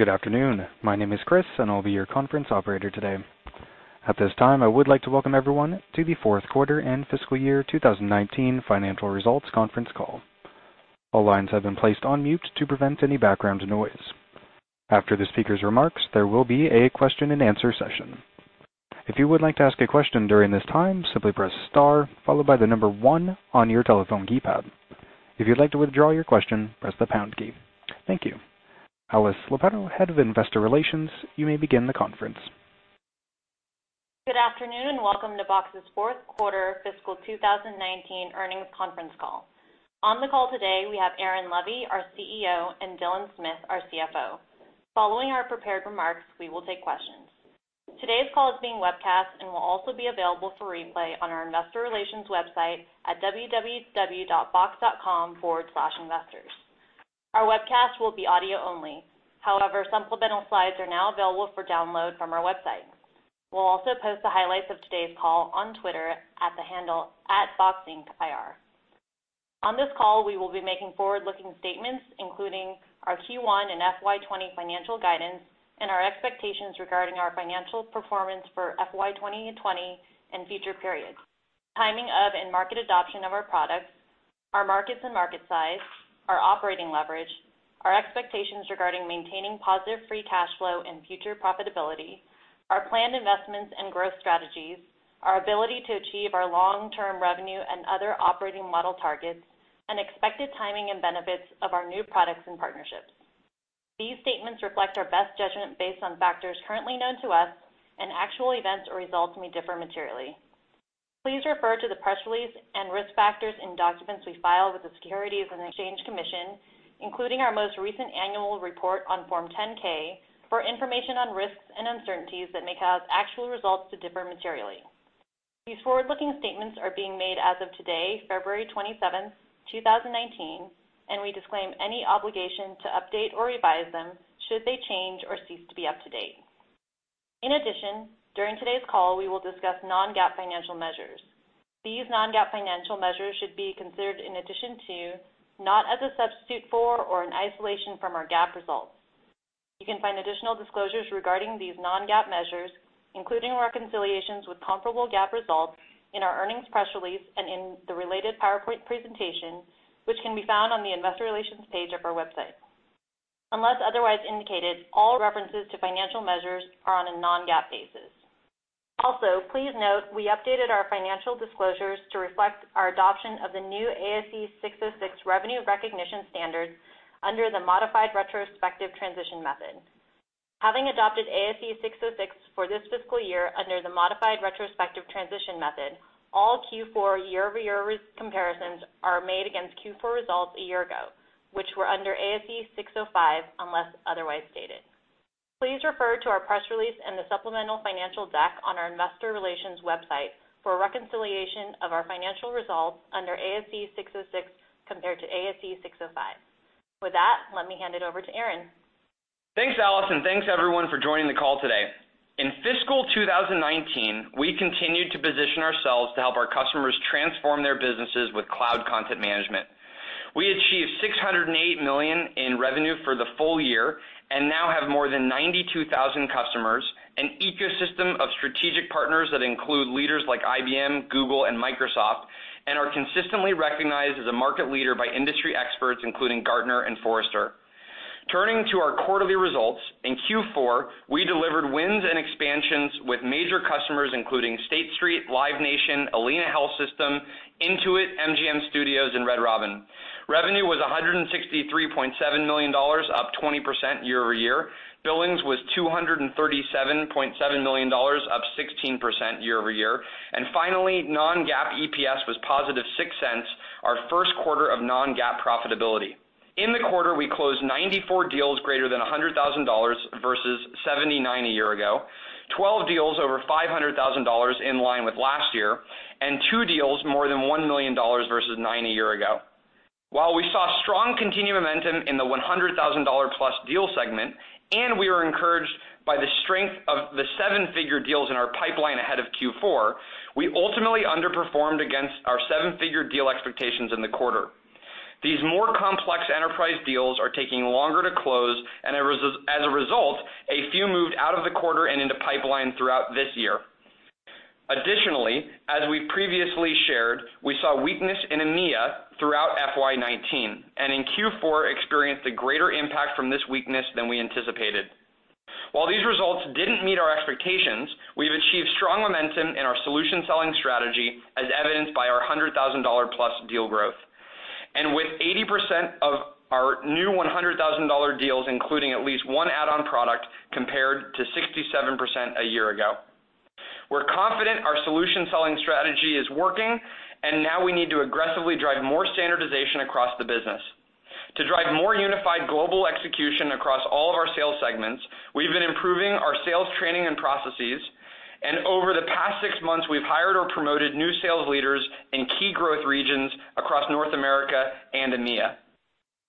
Good afternoon. My name is Chris, and I'll be your conference operator today. At this time, I would like to welcome everyone to the fourth quarter and fiscal year 2019 financial results conference call. All lines have been placed on mute to prevent any background noise. After the speaker's remarks, there will be a question and answer session. If you would like to ask a question during this time, simply press star followed by the number one on your telephone keypad. If you'd like to withdraw your question, press the pound key. Thank you. Alice Lopatto, head of investor relations, you may begin the conference. Good afternoon and welcome to Box's fourth quarter fiscal 2019 earnings conference call. On the call today, we have Aaron Levie, our CEO, and Dylan Smith, our CFO. Following our prepared remarks, we will take questions. Today's call is being webcast and will also be available for replay on our investor relations website at www.box.com/investors. Our webcast will be audio only. However, supplemental slides are now available for download from our website. We'll also post the highlights of today's call on Twitter at the handle @BoxIncIR. On this call, we will be making forward-looking statements, including our Q1 and FY 2020 financial guidance and our expectations regarding our financial performance for FY 2020 and future periods, timing of and market adoption of our products, our markets and market size, our operating leverage, our expectations regarding maintaining positive free cash flow and future profitability, our planned investments and growth strategies, our ability to achieve our long-term revenue and other operating model targets, and expected timing and benefits of our new products and partnerships. These statements reflect our best judgment based on factors currently known to us, and actual events or results may differ materially. Please refer to the press release and risk factors in documents we file with the Securities and Exchange Commission, including our most recent annual report on Form 10-K, for information on risks and uncertainties that may cause actual results to differ materially. These forward-looking statements are being made as of today, February 27th, 2019, and we disclaim any obligation to update or revise them should they change or cease to be up to date. In addition, during today's call, we will discuss non-GAAP financial measures. These non-GAAP financial measures should be considered in addition to, not as a substitute for or in isolation from, our GAAP results. You can find additional disclosures regarding these non-GAAP measures, including reconciliations with comparable GAAP results in our earnings press release and in the related PowerPoint presentation, which can be found on the investor relations page of our website. Unless otherwise indicated, all references to financial measures are on a non-GAAP basis. Also, please note we updated our financial disclosures to reflect our adoption of the new ASC 606 revenue recognition standards under the modified retrospective transition method. Having adopted ASC 606 for this fiscal year under the modified retrospective transition method, all Q4 year-over-year comparisons are made against Q4 results a year ago, which were under ASC 605, unless otherwise stated. Please refer to our press release and the supplemental financial deck on our investor relations website for a reconciliation of our financial results under ASC 606 compared to ASC 605. With that, let me hand it over to Aaron. Thanks, Alice, and thanks everyone for joining the call today. In fiscal 2019, we continued to position ourselves to help our customers transform their businesses with cloud content management. We achieved $608 million in revenue for the full year and now have more than 92,000 customers, an ecosystem of strategic partners that include leaders like IBM, Google, and Microsoft, and are consistently recognized as a market leader by industry experts, including Gartner and Forrester. Turning to our quarterly results, in Q4, we delivered wins and expansions with major customers, including State Street, Live Nation, Allina Health System, Intuit, MGM Studios, and Red Robin. Revenue was $163.7 million, up 20% year-over-year. Billings was $237.7 million, up 16% year-over-year. Finally, non-GAAP EPS was positive $0.06, our first quarter of non-GAAP profitability. In the quarter, we closed 94 deals greater than $100,000 versus 79 a year ago, 12 deals over $500,000 in line with last year, and two deals more than $1 million versus nine a year ago. While we saw strong continued momentum in the $100,000-plus deal segment, and we were encouraged by the strength of the seven-figure deals in our pipeline ahead of Q4, we ultimately underperformed against our seven-figure deal expectations in the quarter. These more complex enterprise deals are taking longer to close, and as a result, a few moved out of the quarter and into pipeline throughout this year. Additionally, as we previously shared, we saw weakness in EMEA throughout FY 2019, and in Q4 experienced a greater impact from this weakness than we anticipated. While these results didn't meet our expectations, we've achieved strong momentum in our solution selling strategy, as evidenced by our $100,000-plus deal growth. With 80% of our new $100,000 deals including at least one add-on product compared to 67% a year ago. We're confident our solution selling strategy is working, and now we need to aggressively drive more standardization across the business. To drive more unified global execution across all of our sales segments, we've been improving our sales training and processes, and over the past six months, we've hired or promoted new sales leaders in key growth regions across North America and EMEA.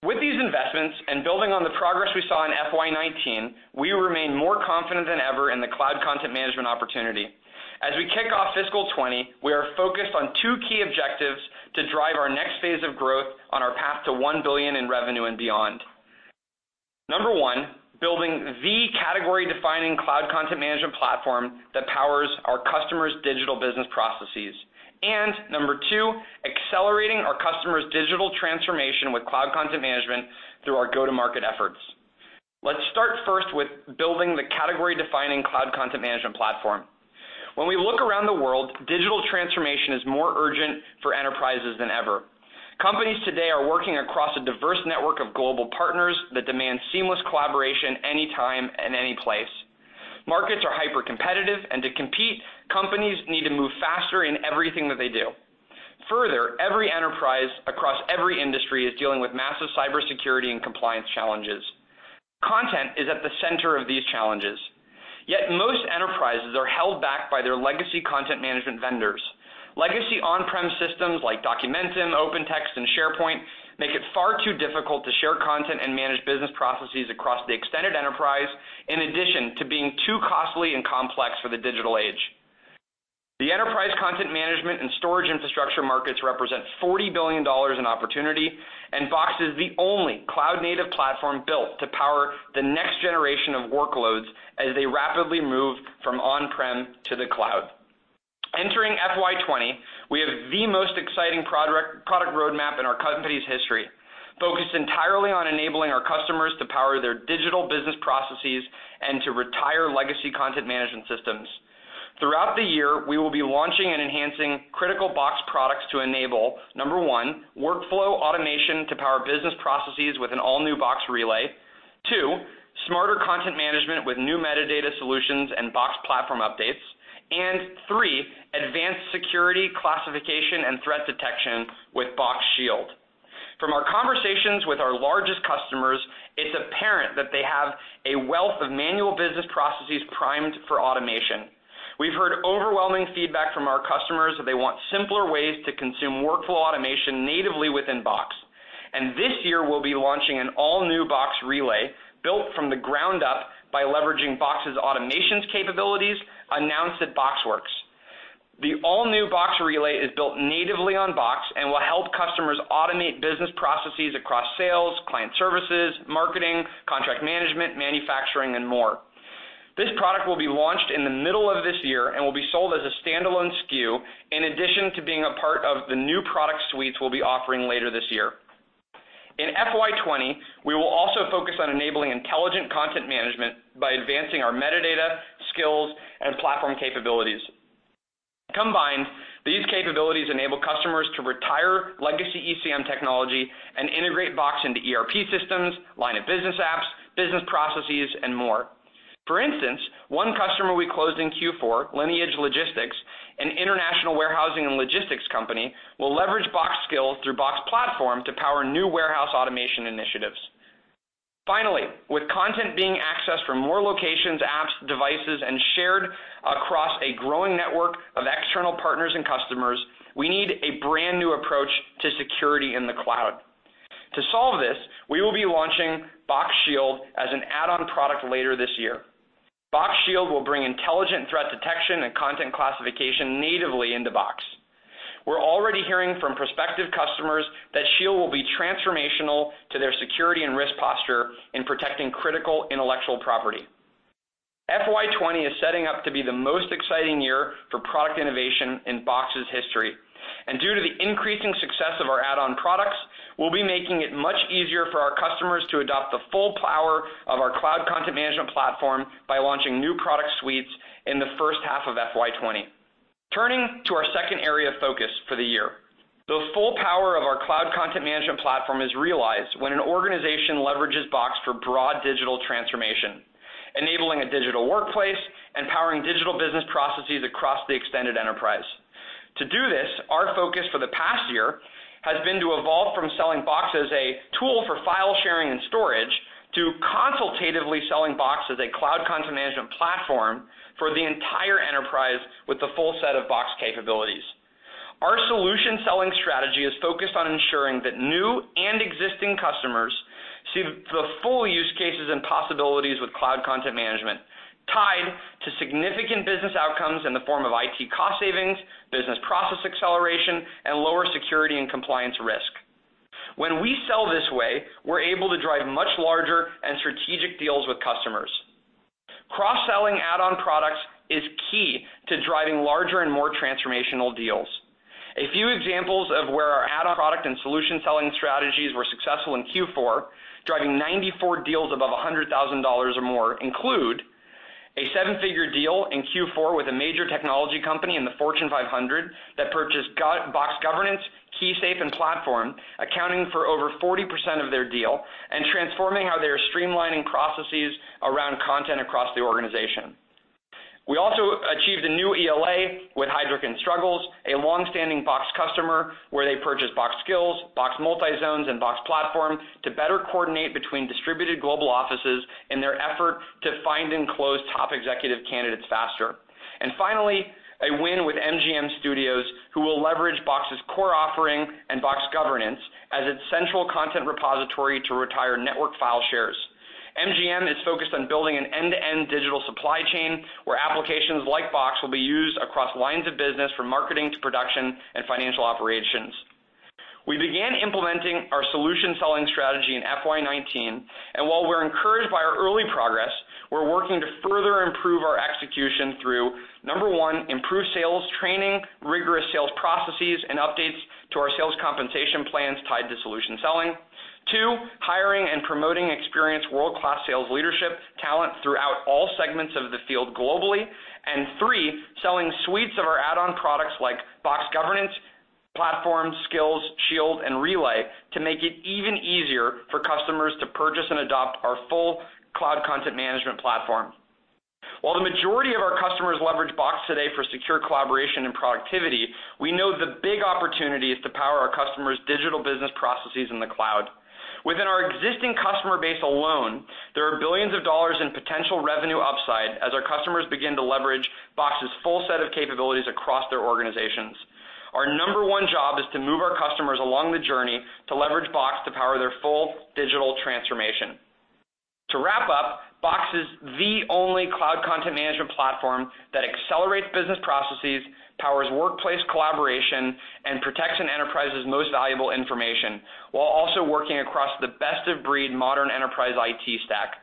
With these investments and building on the progress we saw in FY 2019, we remain more confident than ever in the cloud content management opportunity. As we kick off fiscal 2020, we are focused on two key objectives to drive our next phase of growth on our path to $1 billion in revenue and beyond. Number one, building the category-defining cloud content management platform that powers our customers' digital business processes. Number two, accelerating our customers' digital transformation with cloud content management through our go-to-market efforts. Let's start first with building the category-defining cloud content management platform. When we look around the world, digital transformation is more urgent for enterprises than ever. Companies today are working across a diverse network of global partners that demand seamless collaboration any time and any place. Markets are hyper-competitive, and to compete, companies need to move faster in everything that they do. Further, every enterprise across every industry is dealing with massive cybersecurity and compliance challenges. Content is at the center of these challenges. Yet most enterprises are held back by their legacy content management vendors. Legacy on-prem systems like Documentum, OpenText, and SharePoint make it far too difficult to share content and manage business processes across the extended enterprise, in addition to being too costly and complex for the digital age. The enterprise content management and storage infrastructure markets represent $40 billion in opportunity, and Box is the only cloud-native platform built to power the next generation of workloads as they rapidly move from on-prem to the cloud. Entering FY 2020, we have the most exciting product roadmap in our company's history, focused entirely on enabling our customers to power their digital business processes and to retire legacy content management systems. Throughout the year, we will be launching and enhancing critical Box products to enable, number one, workflow automation to power business processes with an all-new Box Relay. Two, smarter content management with new metadata solutions and Box Platform updates. Three, advanced security classification and threat detection with Box Shield. From our conversations with our largest customers, it's apparent that they have a wealth of manual business processes primed for automation. We've heard overwhelming feedback from our customers that they want simpler ways to consume workflow automation natively within Box. This year, we'll be launching an all-new Box Relay, built from the ground up by leveraging Box's automations capabilities announced at BoxWorks. The all-new Box Relay is built natively on Box and will help customers automate business processes across sales, client services, marketing, contract management, manufacturing, and more. This product will be launched in the middle of this year and will be sold as a standalone SKU in addition to being a part of the new product suites we'll be offering later this year. In FY 2020, we will also focus on enabling intelligent content management by advancing our metadata, skills, and platform capabilities. Combined, these capabilities enable customers to retire legacy ECM technology and integrate Box into ERP systems, line-of-business apps, business processes, and more. For instance, one customer we closed in Q4, Lineage Logistics, an international warehousing and logistics company, will leverage Box Skills through Box Platform to power new warehouse automation initiatives. Finally, with content being accessed from more locations, apps, devices, and shared across a growing network of external partners and customers, we need a brand-new approach to security in the cloud. To solve this, we will be launching Box Shield as an add-on product later this year. Box Shield will bring intelligent threat detection and content classification natively into Box. We're already hearing from prospective customers that Box Shield will be transformational to their security and risk posture in protecting critical intellectual property. FY 2020 is setting up to be the most exciting year for product innovation in Box's history. Due to the increasing success of our add-on products, we'll be making it much easier for our customers to adopt the full power of our Cloud Content Management platform by launching new product suites in the first half of FY 2020. Turning to our second area of focus for the year. The full power of our Cloud Content Management platform is realized when an organization leverages Box for broad digital transformation, enabling a digital workplace and powering digital business processes across the extended enterprise. To do this, our focus for the past year has been to evolve from selling Box as a tool for file sharing and storage to consultatively selling Box as a Cloud Content Management platform for the entire enterprise with the full set of Box capabilities. Our solution selling strategy is focused on ensuring that new and existing customers see the full use cases and possibilities with Cloud Content Management tied to significant business outcomes in the form of IT cost savings, business process acceleration, and lower security and compliance risk. When we sell this way, we're able to drive much larger and strategic deals with customers. Cross-selling add-on products is key to driving larger and more transformational deals. A few examples of where our add-on product and solution selling strategies were successful in Q4, driving 94 deals above $100,000 or more, include a seven-figure deal in Q4 with a major technology company in the Fortune 500 that purchased Box Governance, Box KeySafe, and Box Platform, accounting for over 40% of their deal and transforming how they're streamlining processes around content across the organization. We also achieved a new ELA with Heidrick & Struggles, a longstanding Box customer, where they purchased Box Skills, Box Multizones, and Box Platform to better coordinate between distributed global offices in their effort to find and close top executive candidates faster. Finally, leverage Box's core offering and Box Governance as its central content repository to retire network file shares. MGM is focused on building an end-to-end digital supply chain where applications like Box will be used across lines of business, from marketing to production and financial operations. We began implementing our solution selling strategy in FY 2019, and while we're encouraged by our early progress, we're working to further improve our execution through, number 1, improved sales training, rigorous sales processes, and updates to our sales compensation plans tied to solution selling. 2, hiring and promoting experienced world-class sales leadership talent throughout all segments of the field globally. 3, selling suites of our add-on products like Box Governance, Box Platform, Box Skills, Box Shield, and Box Relay to make it even easier for customers to purchase and adopt our full Cloud Content Management platform. While the majority of our customers leverage Box today for secure collaboration and productivity, we know the big opportunity is to power our customers' digital business processes in the cloud. Within our existing customer base alone, there are billions of dollars in potential revenue upside as our customers begin to leverage Box's full set of capabilities across their organizations. Our number one job is to move our customers along the journey to leverage Box to power their full digital transformation. To wrap up, Box is the only Cloud Content Management platform that accelerates business processes, powers workplace collaboration, and protects an enterprise's most valuable information, while also working across the best-of-breed modern enterprise IT stack.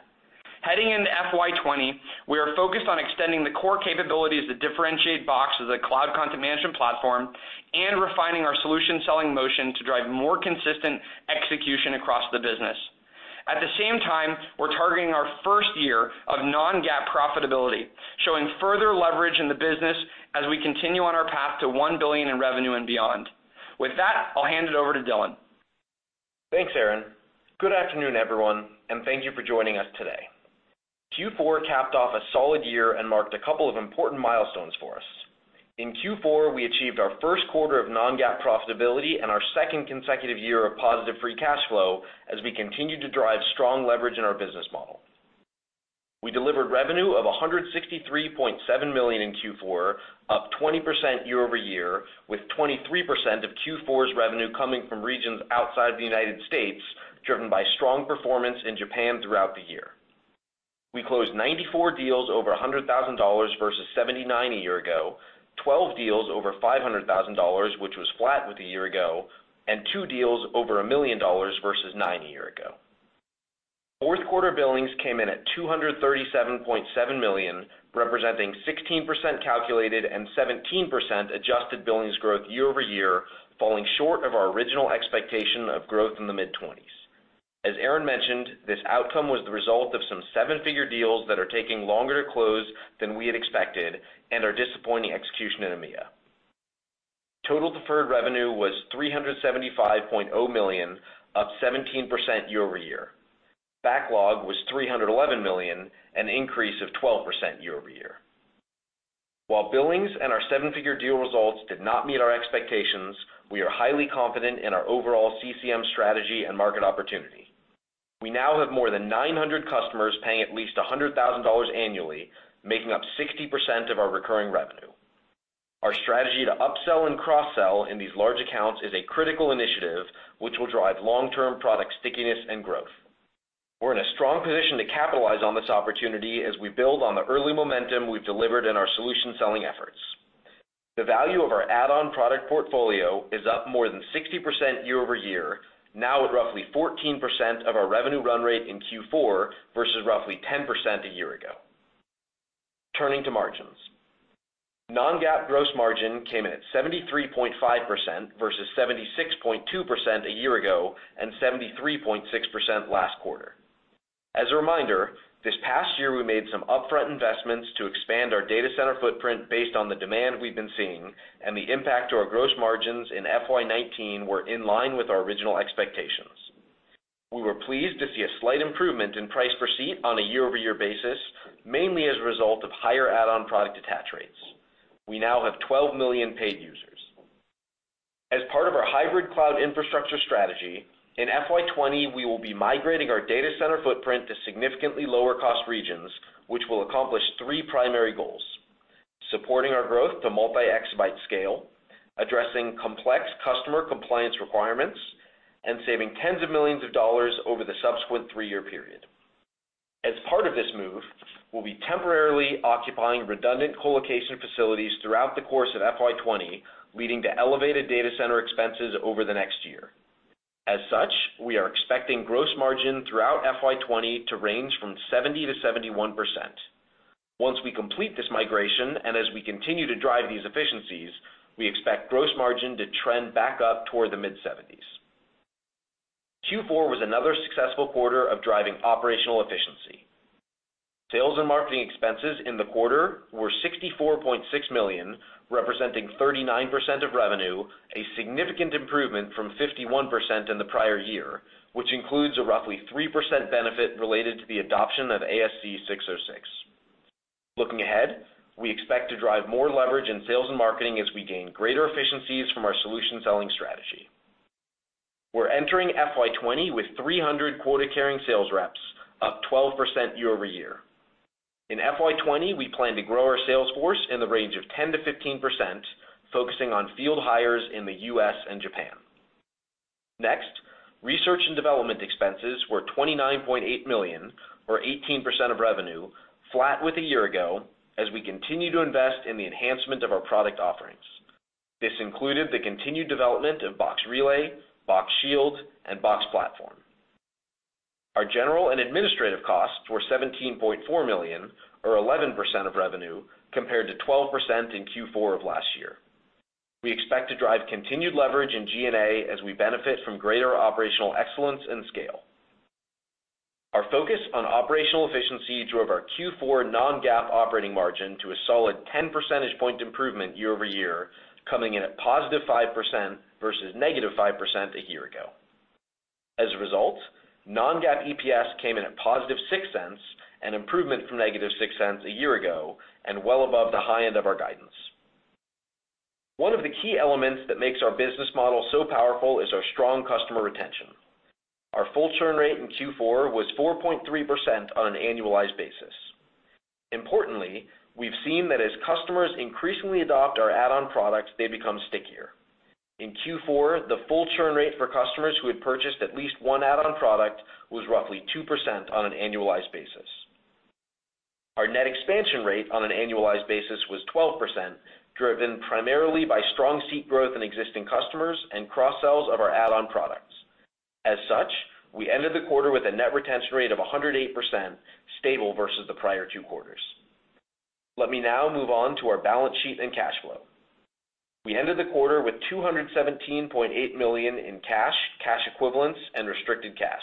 Heading into FY 2020, we are focused on extending the core capabilities that differentiate Box as a Cloud Content Management platform and refining our solution-selling motion to drive more consistent execution across the business. At the same time, we're targeting our first year of non-GAAP profitability, showing further leverage in the business as we continue on our path to $1 billion in revenue and beyond. With that, I'll hand it over to Dylan. Thanks, Aaron. Good afternoon, everyone, and thank you for joining us today. Q4 capped off a solid year and marked a couple of important milestones for us. In Q4, we achieved our first quarter of non-GAAP profitability and our second consecutive year of positive free cash flow as we continue to drive strong leverage in our business model. We delivered revenue of $163.7 million in Q4, up 20% year-over-year, with 23% of Q4's revenue coming from regions outside the United States, driven by strong performance in Japan throughout the year. We closed 94 deals over $100,000 versus 79 a year ago, 12 deals over $500,000, which was flat with a year ago, and two deals over $1 million versus nine a year ago. Fourth-quarter billings came in at $237.7 million, representing 16% calculated and 17% adjusted billings growth year-over-year, falling short of our original expectation of growth in the mid-20s. As Aaron mentioned, this outcome was the result of some seven-figure deals that are taking longer to close than we had expected and our disappointing execution in EMEA. Total deferred revenue was $375.0 million, up 17% year-over-year. Backlog was $311 million, an increase of 12% year-over-year. While billings and our seven-figure deal results did not meet our expectations, we are highly confident in our overall CCM strategy and market opportunity. We now have more than 900 customers paying at least $100,000 annually, making up 60% of our recurring revenue. Our strategy to upsell and cross-sell in these large accounts is a critical initiative, which will drive long-term product stickiness and growth. We're in a strong position to capitalize on this opportunity as we build on the early momentum we've delivered in our solution selling efforts. The value of our add-on product portfolio is up more than 60% year-over-year, now at roughly 14% of our revenue run rate in Q4 versus roughly 10% a year ago. Turning to margins. non-GAAP gross margin came in at 73.5% versus 76.2% a year ago and 73.6% last quarter. As a reminder, this past year, we made some upfront investments to expand our data center footprint based on the demand we've been seeing, and the impact to our gross margins in FY 2019 were in line with our original expectations. We were pleased to see a slight improvement in price per seat on a year-over-year basis, mainly as a result of higher add-on product attach rates. We now have 12 million paid users. As part of our hybrid cloud infrastructure strategy, in FY 2020, we will be migrating our data center footprint to significantly lower-cost regions, which will accomplish 3 primary goals. Supporting our growth to multi-exabyte scale, addressing complex customer compliance requirements, and saving tens of millions of dollars over the subsequent 3-year period. As part of this move, we'll be temporarily occupying redundant colocation facilities throughout the course of FY 2020, leading to elevated data center expenses over the next year. We are expecting gross margin throughout FY 2020 to range from 70%-71%. Once we complete this migration, and as we continue to drive these efficiencies, we expect gross margin to trend back up toward the mid-70s. Q4 was another successful quarter of driving operational efficiency. Sales and marketing expenses in the quarter were $64.6 million, representing 39% of revenue, a significant improvement from 51% in the prior year, which includes a roughly 3% benefit related to the adoption of ASC 606. Looking ahead, we expect to drive more leverage in sales and marketing as we gain greater efficiencies from our solution selling strategy. We're entering FY 2020 with 300 quota-carrying sales reps, up 12% year-over-year. In FY 2020, we plan to grow our sales force in the range of 10%-15%, focusing on field hires in the U.S. and Japan. Research and development expenses were $29.8 million, or 18% of revenue, flat with a year ago as we continue to invest in the enhancement of our product offerings. This included the continued development of Box Relay, Box Shield, and Box Platform. Our general and administrative costs were $17.4 million, or 11% of revenue, compared to 12% in Q4 of last year. We expect to drive continued leverage in G&A as we benefit from greater operational excellence and scale. Our focus on operational efficiency drove our Q4 non-GAAP operating margin to a solid 10 percentage point improvement year-over-year, coming in at positive 5% versus negative 5% a year ago. non-GAAP EPS came in at positive $0.06, an improvement from negative $0.06 a year ago, and well above the high end of our guidance. One of the key elements that makes our business model so powerful is our strong customer retention. Our full churn rate in Q4 was 4.3% on an annualized basis. We've seen that as customers increasingly adopt our add-on products, they become stickier. In Q4, the full churn rate for customers who had purchased at least one add-on product was roughly 2% on an annualized basis. Our net expansion rate on an annualized basis was 12%, driven primarily by strong seat growth in existing customers and cross-sells of our add-on products. As such, we ended the quarter with a net retention rate of 108%, stable versus the prior two quarters. Let me now move on to our balance sheet and cash flow. We ended the quarter with $217.8 million in cash equivalents, and restricted cash.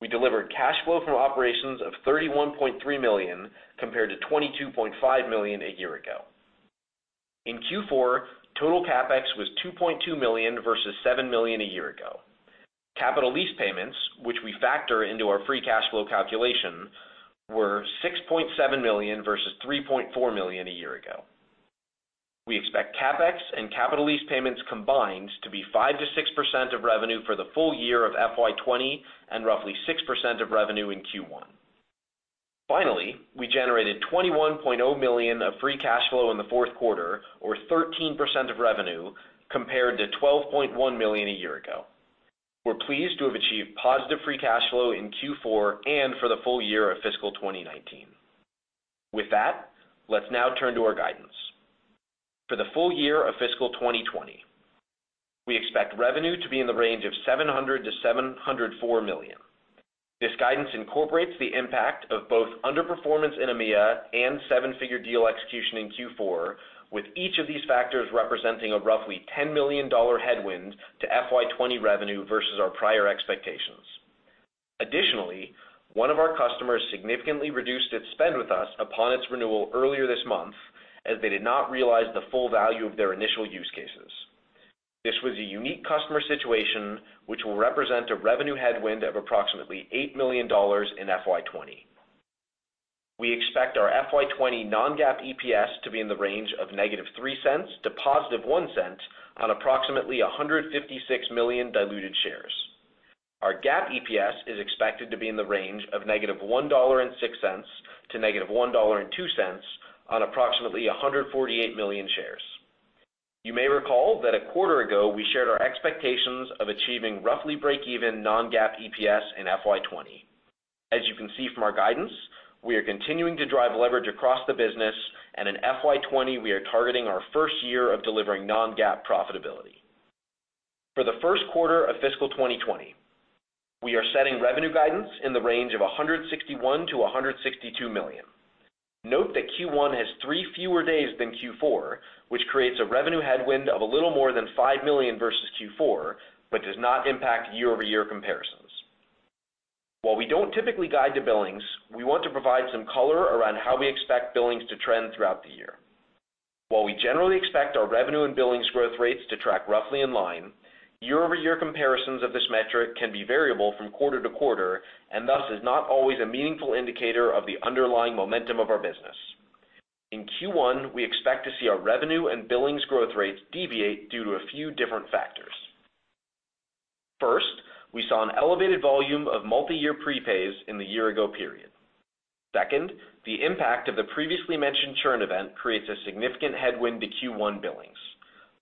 We delivered cash flow from operations of $31.3 million, compared to $22.5 million a year ago. In Q4, total CapEx was $2.2 million versus $7 million a year ago. Capital lease payments, which we factor into our free cash flow calculation, were $6.7 million versus $3.4 million a year ago. We expect CapEx and capital lease payments combined to be 5%-6% of revenue for the full year of FY 2020, and roughly 6% of revenue in Q1. Finally, we generated $21.0 million of free cash flow in the fourth quarter or 13% of revenue compared to $12.1 million a year ago. We're pleased to have achieved positive free cash flow in Q4 and for the full year of fiscal 2019. With that, let's now turn to our guidance. For the full year of fiscal 2020, we expect revenue to be in the range of $700-$704 million. This guidance incorporates the impact of both underperformance in EMEA and seven-figure deal execution in Q4, with each of these factors representing a roughly $10 million headwind to FY 2020 revenue versus our prior expectations. Additionally, one of our customers significantly reduced its spend with us upon its renewal earlier this month, as they did not realize the full value of their initial use cases. This was a unique customer situation, which will represent a revenue headwind of approximately $8 million in FY 2020. We expect our FY 2020 non-GAAP EPS to be in the range of negative $0.03 to positive $0.01 on approximately 156 million diluted shares. Our GAAP EPS is expected to be in the range of negative $1.06 to negative $1.02 on approximately 148 million shares. You may recall that a quarter ago, we shared our expectations of achieving roughly break even non-GAAP EPS in FY 2020. As you can see from our guidance, we are continuing to drive leverage across the business, and in FY 2020, we are targeting our first year of delivering non-GAAP profitability. For the first quarter of fiscal 2020, we are setting revenue guidance in the range of $161-$162 million. Note that Q1 has three fewer days than Q4, which creates a revenue headwind of a little more than $5 million versus Q4, but does not impact year-over-year comparisons. While we don't typically guide to billings, we want to provide some color around how we expect billings to trend throughout the year. While we generally expect our revenue and billings growth rates to track roughly in line, year-over-year comparisons of this metric can be variable from quarter to quarter and thus is not always a meaningful indicator of the underlying momentum of our business. In Q1, we expect to see our revenue and billings growth rates deviate due to a few different factors. First, we saw an elevated volume of multi-year prepays in the year-ago period. Second, the impact of the previously mentioned churn event creates a significant headwind to Q1 billings.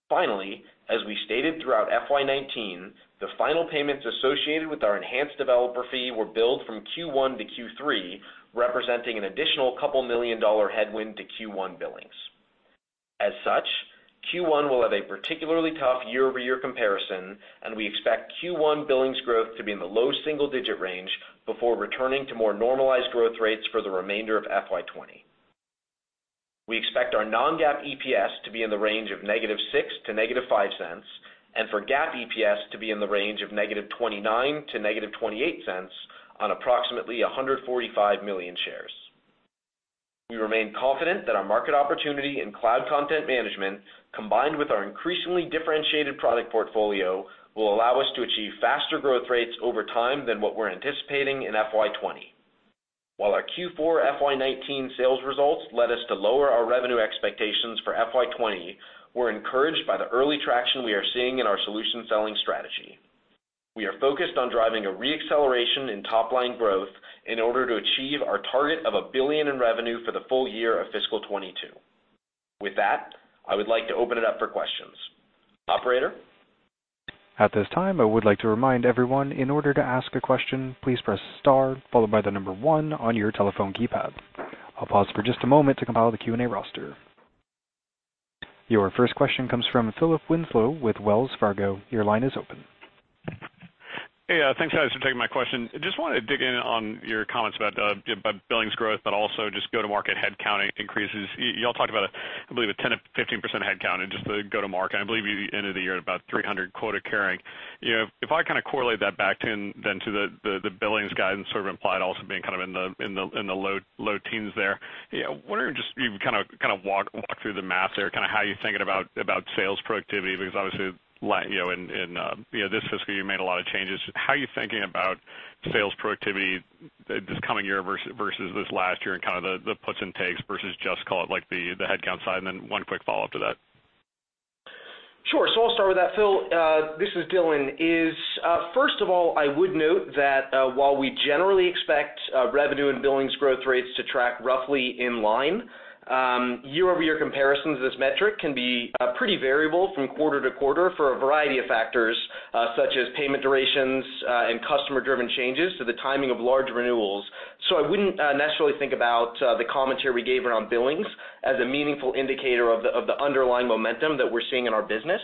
Finally, as we stated throughout FY 2019, the final payments associated with our enhanced developer fee were billed from Q1 to Q3, representing an additional couple million dollar headwind to Q1 billings. As such, Q1 will have a particularly tough year-over-year comparison, and we expect Q1 billings growth to be in the low single-digit range before returning to more normalized growth rates for the remainder of FY 2020. We expect our non-GAAP EPS to be in the range of -$0.06 to -$0.05, and for GAAP EPS to be in the range of -$0.29 to -$0.28 on approximately 145 million shares. We remain confident that our market opportunity in cloud content management, combined with our increasingly differentiated product portfolio, will allow us to achieve faster growth rates over time than what we're anticipating in FY 2020. While our Q4 FY 2019 sales results led us to lower our revenue expectations for FY 2020, we're encouraged by the early traction we are seeing in our solution selling strategy. We are focused on driving a re-acceleration in top-line growth in order to achieve our target of $1 billion in revenue for the full year of fiscal 2022. With that, I would like to open it up for questions. Operator? At this time, I would like to remind everyone, in order to ask a question, please press star followed by the number 1 on your telephone keypad. I'll pause for just a moment to compile the Q&A roster. Your first question comes from Philip Winslow with Wells Fargo. Your line is open. Hey. Thanks, guys, for taking my question. Just wanted to dig in on your comments about billings growth, also just go-to-market headcount increases. You all talked about, I believe, a 10%-15% headcount in just the go-to-market, and I believe at the end of the year, about 300 quota carrying. If I correlate that back then to the billings guidance, implied also being in the low teens there, wondering, just you walk through the math there, how you're thinking about sales productivity, because obviously in this fiscal, you made a lot of changes. How are you thinking about sales productivity this coming year versus this last year and the puts and takes versus just call it like the headcount side? Then one quick follow-up to that. Sure. I'll start with that, Phil. This is Dylan. First of all, I would note that while we generally expect revenue and billings growth rates to track roughly in line, year-over-year comparisons of this metric can be pretty variable from quarter to quarter for a variety of factors, such as payment durations, and customer-driven changes to the timing of large renewals. I wouldn't necessarily think about the commentary we gave around billings as a meaningful indicator of the underlying momentum that we're seeing in our business.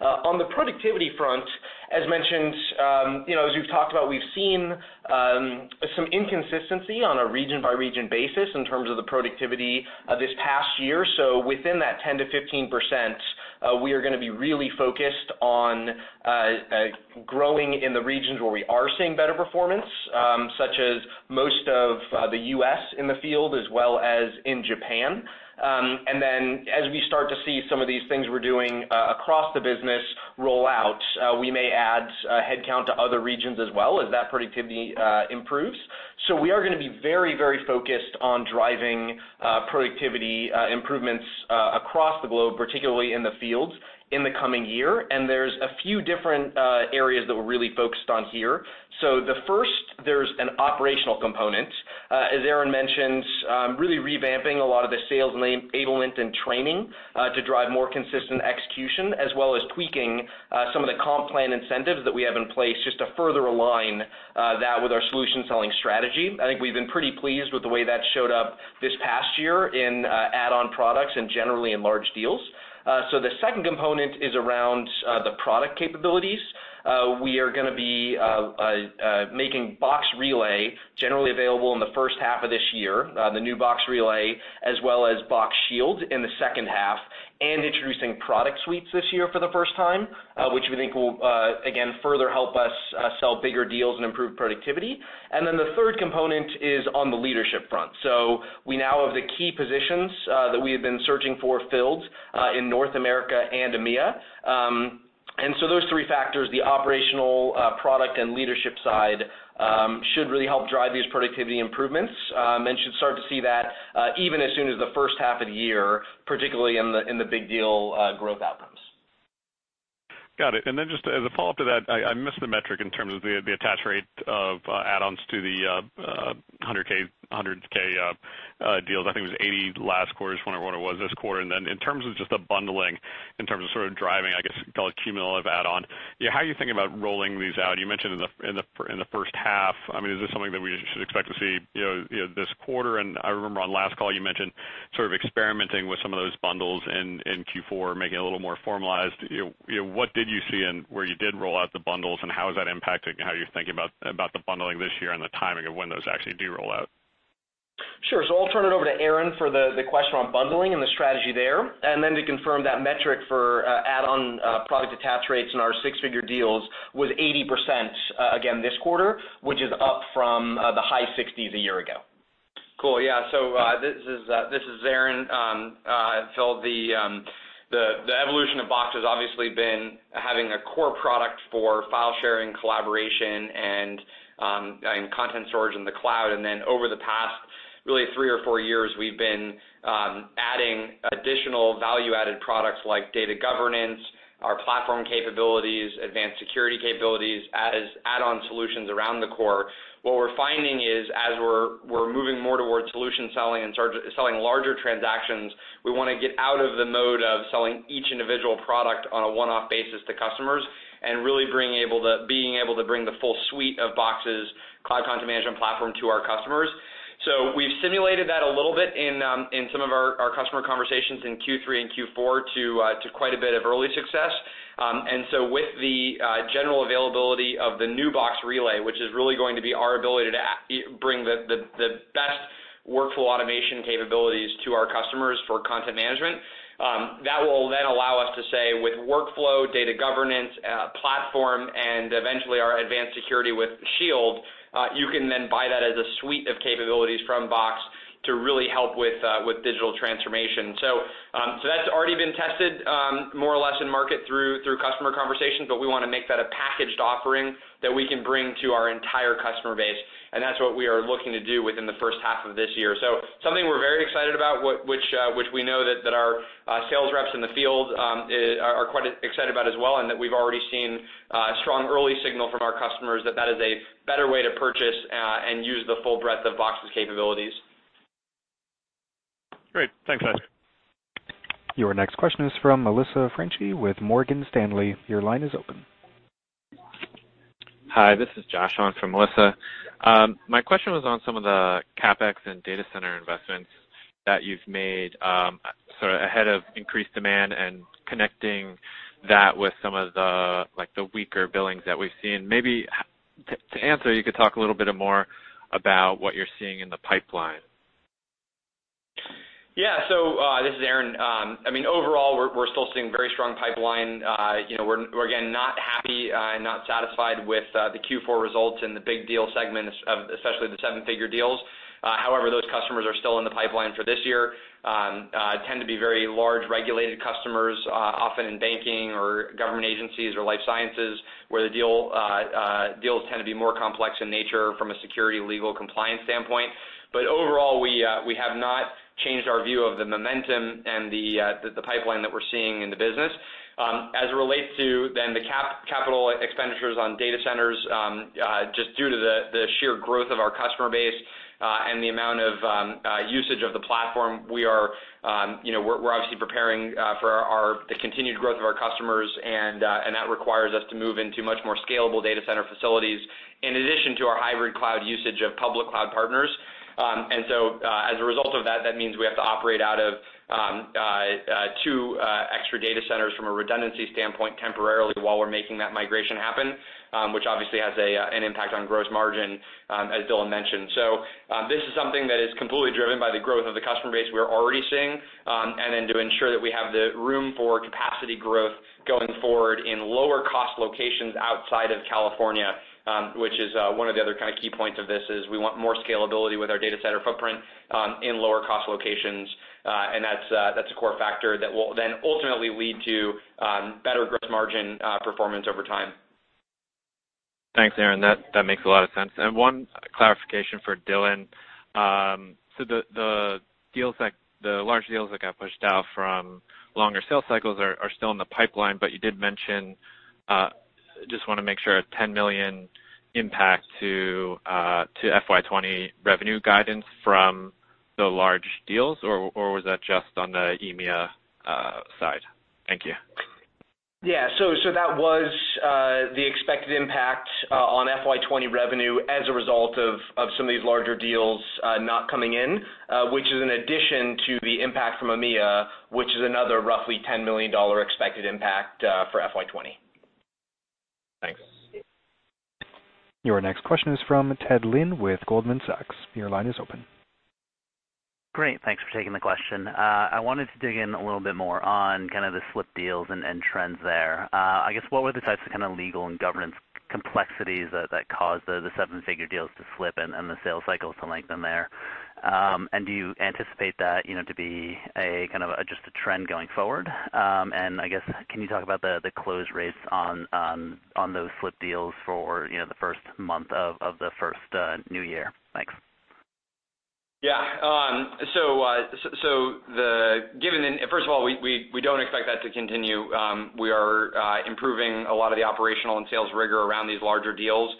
On the productivity front, as mentioned, as we've talked about, we've seen some inconsistency on a region-by-region basis in terms of the productivity this past year. Within that 10%-15%, we are going to be really focused on growing in the regions where we are seeing better performance, such as most of the U.S. in the field, as well as in Japan. As we start to see some of these things we're doing across the business roll out, we may add headcount to other regions as well as that productivity improves. We are going to be very focused on driving productivity improvements across the globe, particularly in the fields in the coming year, and there's a few different areas that we're really focused on here. The first, there's an operational component. As Aaron mentioned, really revamping a lot of the sales enablement and training to drive more consistent execution, as well as tweaking some of the comp plan incentives that we have in place just to further align that with our solution selling strategy. I think we've been pretty pleased with the way that showed up this past year in add-on products and generally in large deals. The second component is around the product capabilities. We are going to be making Box Relay generally available in the first half of this year, the new Box Relay, as well as Box Shield in the second half, and introducing product suites this year for the first time, which we think will, again, further help us sell bigger deals and improve productivity. The third component is on the leadership front. We now have the key positions that we have been searching for filled in North America and EMEA. Those three factors, the operational, product, and leadership side, should really help drive these productivity improvements, and should start to see that even as soon as the first half of the year, particularly in the big deal growth outcomes. Got it. Just as a follow-up to that, I missed the metric in terms of the attach rate of add-ons to the 100K deals. I think it was 80 last quarter. I just wonder what it was this quarter. In terms of just the bundling, in terms of driving, I guess, call it cumulative add-on, how are you thinking about rolling these out? You mentioned in the first half, is this something that we should expect to see this quarter? I remember on last call, you mentioned sort of experimenting with some of those bundles in Q4, making it a little more formalized. What did you see in where you did roll out the bundles, and how is that impacting how you're thinking about the bundling this year and the timing of when those actually do roll out? Sure. I'll turn it over to Aaron for the question on bundling and the strategy there. To confirm that metric for add-on product attach rates in our six-figure deals was 80%, again, this quarter, which is up from the high 60s a year ago. Cool. Yeah. This is Aaron. Phil, the evolution of Box has obviously been having a core product for file sharing, collaboration, and content storage in the cloud. Over the past, really three or four years, we've been adding additional value-added products like data governance, our platform capabilities, advanced security capabilities as add-on solutions around the core. What we're finding is, as we're moving more towards solution selling and selling larger transactions, we want to get out of the mode of selling each individual product on a one-off basis to customers and really being able to bring the full suite of Box's cloud content management platform to our customers. We've simulated that a little bit in some of our customer conversations in Q3 and Q4 to quite a bit of early success. With the general availability of the new Box Relay, which is really going to be our ability to bring the best workflow automation capabilities to our customers for content management, that will then allow us to say, with workflow, data governance, platform, and eventually our advanced security with Shield, you can then buy that as a suite of capabilities from Box to really help with digital transformation. That's already been tested, more or less in market through customer conversations, but we want to make that a packaged offering that we can bring to our entire customer base, and that's what we are looking to do within the first half of this year. Something we're very excited about, which we know that our sales reps in the field are quite excited about as well, and that we've already seen a strong early signal from our customers that is a better way to purchase, and use the full breadth of Box's capabilities. Great. Thanks, guys. Your next question is from Melissa Franchi with Morgan Stanley. Your line is open. Hi, this is Josh on for Melissa. My question was on some of the CapEx and data center investments that you've made sort of ahead of increased demand and connecting that with some of the weaker billings that we've seen. Maybe to answer, you could talk a little bit more about what you're seeing in the pipeline. This is Aaron. Overall, we're still seeing very strong pipeline. We're again, not happy and not satisfied with the Q4 results in the big deal segment of especially the 7-figure deals. Those customers are still in the pipeline for this year. Tend to be very large regulated customers, often in banking or government agencies or life sciences, where the deals tend to be more complex in nature from a security, legal compliance standpoint. Overall, we have not changed our view of the momentum and the pipeline that we're seeing in the business. As it relates to the CapEx on data centers, just due to the sheer growth of our customer base, and the amount of usage of the platform we're obviously preparing for the continued growth of our customers and that requires us to move into much more scalable data center facilities in addition to our hybrid cloud usage of public cloud partners. As a result of that means we have to operate out of two extra data centers from a redundancy standpoint temporarily while we're making that migration happen, which obviously has an impact on gross margin, as Dylan mentioned. This is something that is completely driven by the growth of the customer base we're already seeing, to ensure that we have the room for capacity growth going forward in lower-cost locations outside of California, which is one of the other kind of key points of this is we want more scalability with our data center footprint, in lower cost locations. That's a core factor that will ultimately lead to better gross margin performance over time. Thanks, Aaron. That makes a lot of sense. One clarification for Dylan. The large deals that got pushed out from longer sales cycles are still in the pipeline, you did mention, just want to make sure, a $10 million impact to FY 2020 revenue guidance from the large deals, or was that just on the EMEA side? Thank you. That was the expected impact on FY 2020 revenue as a result of some of these larger deals not coming in, which is an addition to the impact from EMEA, which is another roughly $10 million expected impact for FY 2020. Thanks. Your next question is from Ted Lin with Goldman Sachs. Your line is open. Great. Thanks for taking the question. I wanted to dig in a little bit more on kind of the slipped deals and trends there. I guess what were the types of kind of legal and governance complexities that caused the seven-figure deals to slip and the sales cycles to lengthen there? Do you anticipate that to be a kind of just a trend going forward? I guess, can you talk about the close rates on those slipped deals for the first month of the first new year? Thanks. Yeah. First of all, we don't expect that to continue. We are improving a lot of the operational and sales rigor around these larger deals.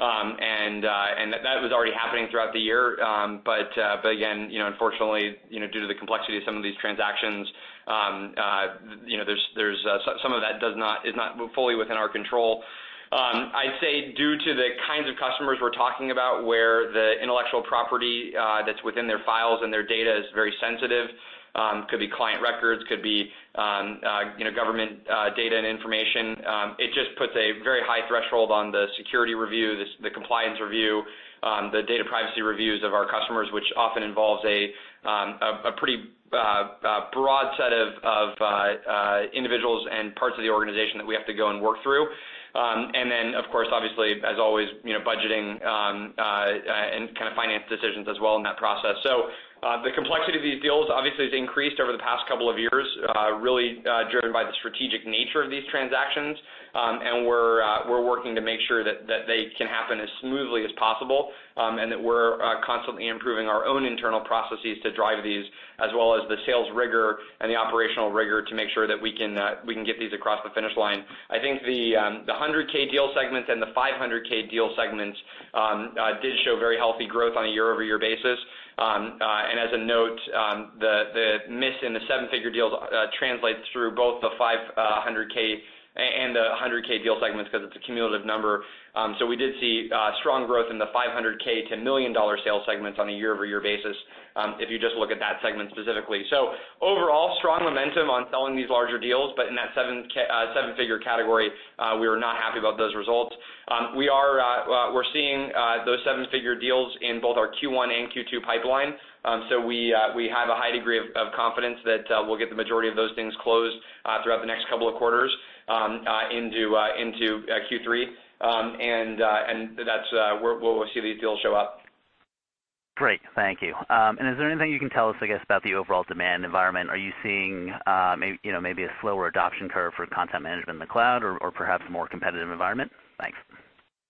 That was already happening throughout the year. Again, unfortunately, due to the complexity of some of these transactions, some of that is not fully within our control. I'd say due to the kinds of customers we're talking about where the intellectual property that's within their files and their data is very sensitive. Could be client records, could be government data and information. It just puts a very high threshold on the security review, the compliance review, the data privacy reviews of our customers, which often involves a pretty broad set of individuals and parts of the organization that we have to go and work through. Then, of course, obviously, as always, budgeting, and kind of finance decisions as well in that process. The complexity of these deals obviously has increased over the past couple of years, really driven by the strategic nature of these transactions. We're working to make sure that they can happen as smoothly as possible, and that we're constantly improving our own internal processes to drive these, as well as the sales rigor and the operational rigor to make sure that we can get these across the finish line. I think the 100K deal segments and the 500K deal segments did show very healthy growth on a year-over-year basis. As a note, the miss in the seven-figure deals translates through both the 500K and the 100K deal segments because it's a cumulative number. We did see strong growth in the 500K to million-dollar sales segments on a year-over-year basis, if you just look at that segment specifically. Overall, strong momentum on selling these larger deals, but in that seven-figure category, we were not happy about those results. We're seeing those seven-figure deals in both our Q1 and Q2 pipeline. We have a high degree of confidence that we'll get the majority of those things closed throughout the next couple of quarters into Q3, and that's where we'll see these deals show up. Great. Thank you. Is there anything you can tell us, I guess, about the overall demand environment? Are you seeing, maybe a slower adoption curve for content management in the cloud or perhaps a more competitive environment? Thanks.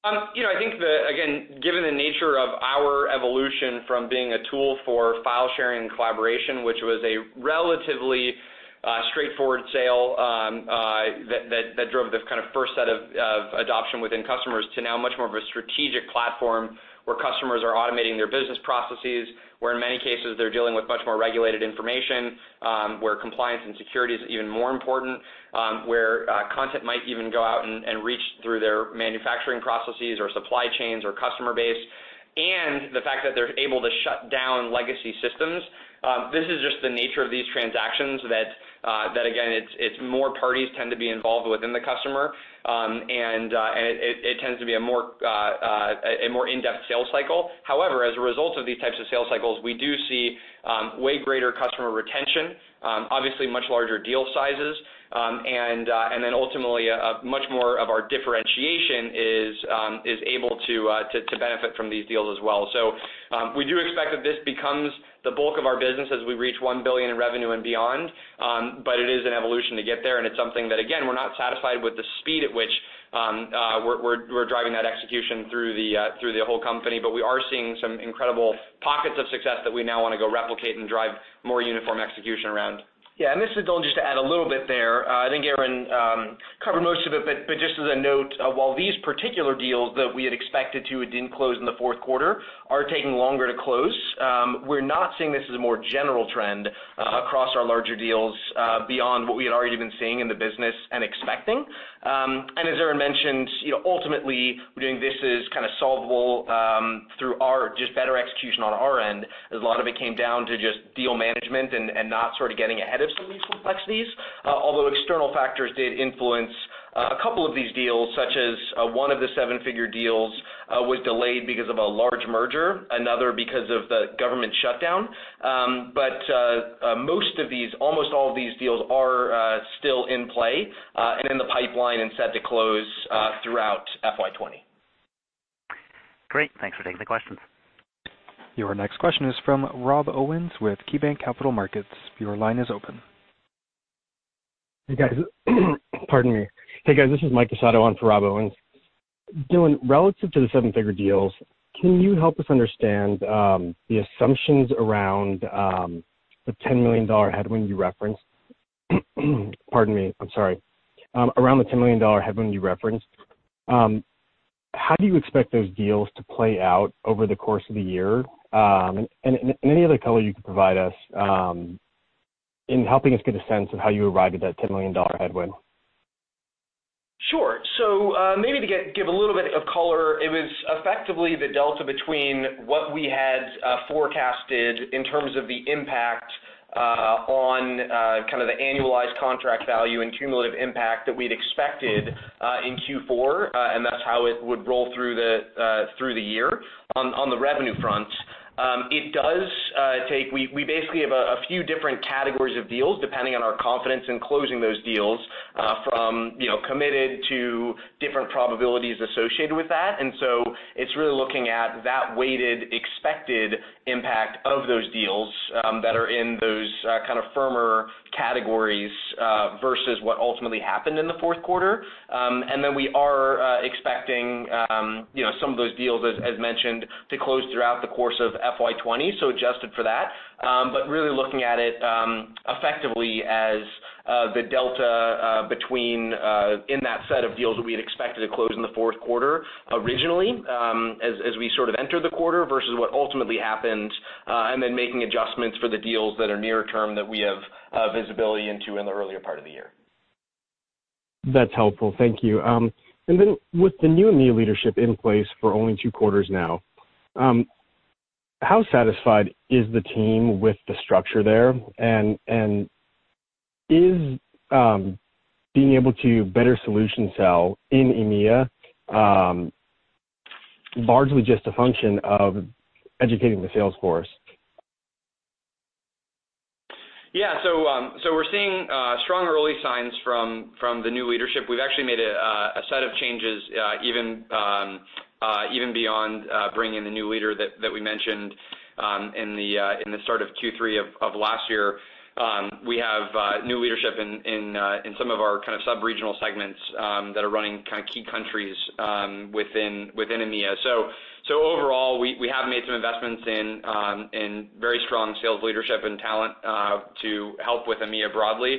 I think, again, given the nature of our evolution from being a tool for file sharing and collaboration, which was a relatively straightforward sale that drove the first set of adoption within customers, to now much more of a strategic platform where customers are automating their business processes, where in many cases, they're dealing with much more regulated information, where compliance and security is even more important, where content might even go out and reach through their manufacturing processes or supply chains or customer base, and the fact that they're able to shut down legacy systems. This is just the nature of these transactions that, again, it's more parties tend to be involved within the customer. It tends to be a more in-depth sales cycle. As a result of these types of sales cycles, we do see way greater customer retention, obviously much larger deal sizes, and ultimately, much more of our differentiation is able to benefit from these deals as well. We do expect that this becomes the bulk of our business as we reach $1 billion in revenue and beyond. It is an evolution to get there, and it's something that, again, we're not satisfied with the speed at which we're driving that execution through the whole company. We are seeing some incredible pockets of success that we now want to go replicate and drive more uniform execution around. Yeah, and this is Dylan, just to add a little bit there. I think Aaron covered most of it, but just as a note, while these particular deals that we had expected to and didn't close in the fourth quarter are taking longer to close, we're not seeing this as a more general trend across our larger deals, beyond what we had already been seeing in the business and expecting. As Aaron mentioned, ultimately, we're doing this as solvable through just better execution on our end, as a lot of it came down to just deal management and not sort of getting ahead of some of these complexities. Although external factors did influence a couple of these deals, such as one of the seven-figure deals was delayed because of a large merger, another because of the government shutdown. Most of these, almost all of these deals are still in play, and in the pipeline and set to close throughout FY 2020. Great. Thanks for taking the questions. Your next question is from Rob Owens with KeyBanc Capital Markets. Your line is open. Hey, guys. Pardon me. Hey guys, this is Mike DeSoto on for Rob Owens. Dylan, relative to the seven-figure deals, can you help us understand the assumptions around the $10 million headwind you referenced? Pardon me, I'm sorry. How do you expect those deals to play out over the course of the year? Any other color you could provide us in helping us get a sense of how you arrived at that $10 million headwind? Sure. Maybe to give a little bit of color, it was effectively the delta between what we had forecasted in terms of the impact on the annualized contract value and cumulative impact that we'd expected in Q4, and that's how it would roll through the year on the revenue front. We basically have a few different categories of deals, depending on our confidence in closing those deals, from committed to different probabilities associated with that. It's really looking at that weighted expected impact of those deals that are in those firmer categories, versus what ultimately happened in the fourth quarter. Then we are expecting some of those deals, as mentioned, to close throughout the course of FY 2020, so adjusted for that. Really looking at it effectively as the delta between, in that set of deals that we had expected to close in the fourth quarter originally, as we entered the quarter versus what ultimately happened, and then making adjustments for the deals that are near term that we have visibility into in the earlier part of the year. That's helpful. Thank you. With the new EMEA leadership in place for only two quarters now, how satisfied is the team with the structure there? Is being able to better solution sell in EMEA, largely just a function of educating the sales force? We're seeing strong early signs from the new leadership. We've actually made a set of changes, even beyond bringing the new leader that we mentioned in the start of Q3 of last year. We have new leadership in some of our sub-regional segments that are running key countries within EMEA. Overall, we have made some investments in very strong sales leadership and talent to help with EMEA broadly.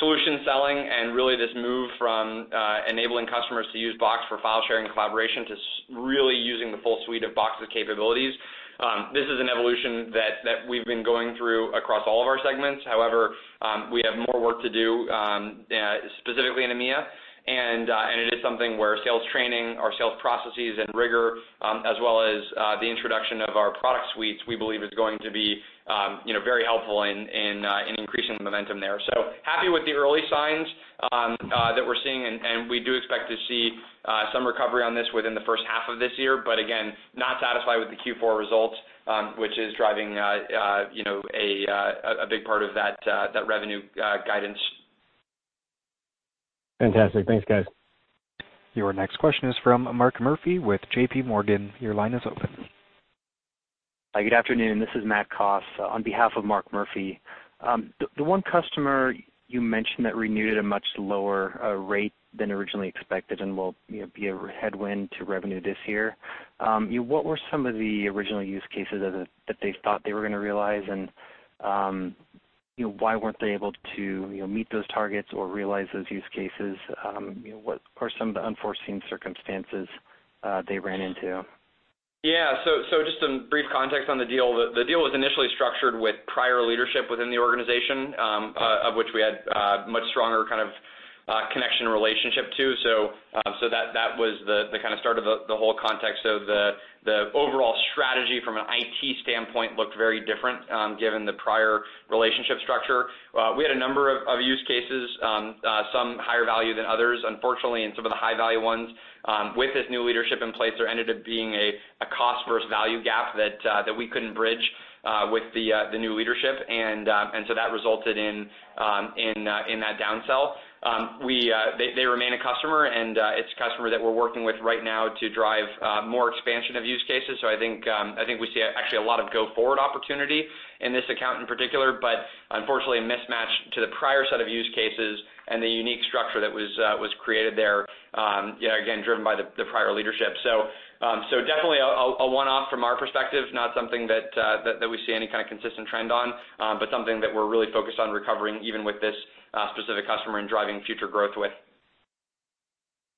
Solution selling and really this move from enabling customers to use Box for file sharing and collaboration, to really using the full suite of Box's capabilities. This is an evolution that we've been going through across all of our segments. However, we have more work to do, specifically in EMEA, it is something where sales training, our sales processes and rigor, as well as the introduction of our product suites, we believe is going to be very helpful in increasing the momentum there. Happy with the early signs that we're seeing, we do expect to see some recovery on this within the first half of this year. Again, not satisfied with the Q4 results, which is driving a big part of that revenue guidance down. Fantastic. Thanks, guys. Your next question is from Mark Murphy with JPMorgan. Your line is open. Good afternoon. This is Matt Coss on behalf of Mark Murphy. The one customer you mentioned that renewed at a much lower rate than originally expected and will be a headwind to revenue this year, what were some of the original use cases that they thought they were going to realize, and why weren't they able to meet those targets or realize those use cases? What are some of the unforeseen circumstances they ran into? Yeah. Just some brief context on the deal. The deal was initially structured with prior leadership within the organization, of which we had a much stronger connection relationship to. That was the start of the whole context of the overall strategy from an IT standpoint looked very different given the prior relationship structure. We had a number of use cases, some higher value than others. Unfortunately, in some of the high-value ones, with this new leadership in place, there ended up being a cost versus value gap that we couldn't bridge with the new leadership, that resulted in that downsell. They remain a customer, and it's a customer that we're working with right now to drive more expansion of use cases. I think we see actually a lot of go-forward opportunity in this account in particular, unfortunately a mismatch to the prior set of use cases and the unique structure that was created there, again, driven by the prior leadership. Definitely a one-off from our perspective, not something that we see any kind of consistent trend on, but something that we're really focused on recovering even with this specific customer and driving future growth with.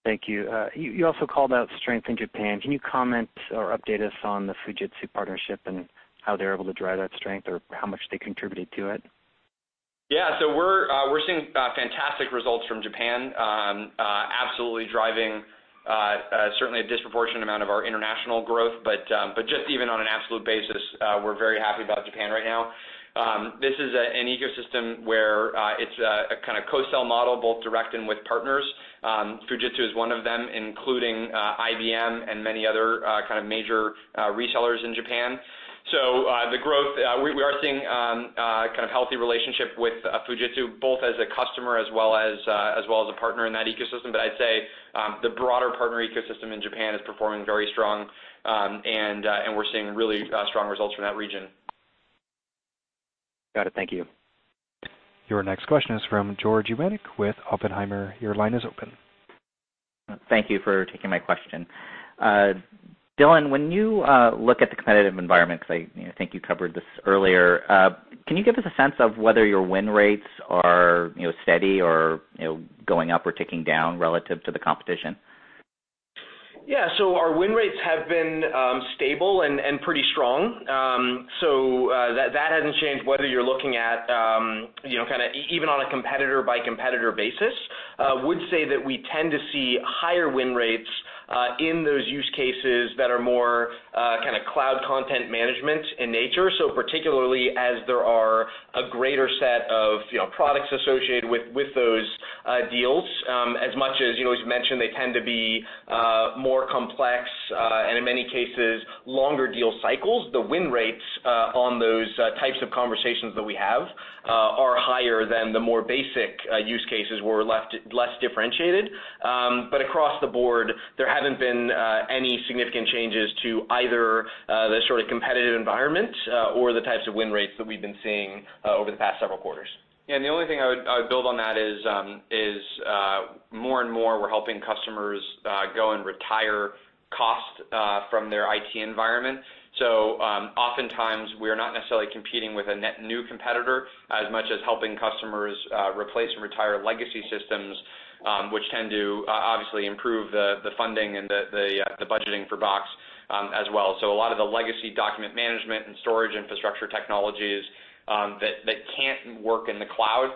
Thank you. You also called out strength in Japan. Can you comment or update us on the Fujitsu partnership and how they're able to drive that strength or how much they contributed to it? Yeah. We're seeing fantastic results from Japan, absolutely driving certainly a disproportionate amount of our international growth. Just even on an absolute basis, we're very happy about Japan right now. This is an ecosystem where it's a co-sell model, both direct and with partners. Fujitsu is one of them, including IBM and many other major resellers in Japan. The growth, we are seeing a healthy relationship with Fujitsu, both as a customer as well as a partner in that ecosystem. I'd say the broader partner ecosystem in Japan is performing very strong, and we're seeing really strong results from that region. Got it. Thank you. Your next question is from George Iwanyc with Oppenheimer. Your line is open. Thank you for taking my question. Dylan, when you look at the competitive environment, because I think you covered this earlier, can you give us a sense of whether your win rates are steady or going up or ticking down relative to the competition? Our win rates have been stable and pretty strong. That hasn't changed, whether you're looking at even on a competitor by competitor basis. Would say that we tend to see higher win rates in those use cases that are more Cloud Content Management in nature. Particularly as there are a greater set of products associated with those deals. As much as you mentioned, they tend to be more complex and, in many cases, longer deal cycles. The win rates on those types of conversations that we have are higher than the more basic use cases were less differentiated. Across the board, there haven't been any significant changes to either the competitive environment or the types of win rates that we've been seeing over the past several quarters. The only thing I would build on that is more and more we're helping customers go and retire cost from their IT environment. Oftentimes we're not necessarily competing with a net new competitor as much as helping customers replace and retire legacy systems, which tend to obviously improve the funding and the budgeting for Box as well. A lot of the legacy document management and storage infrastructure technologies that can't work in the cloud,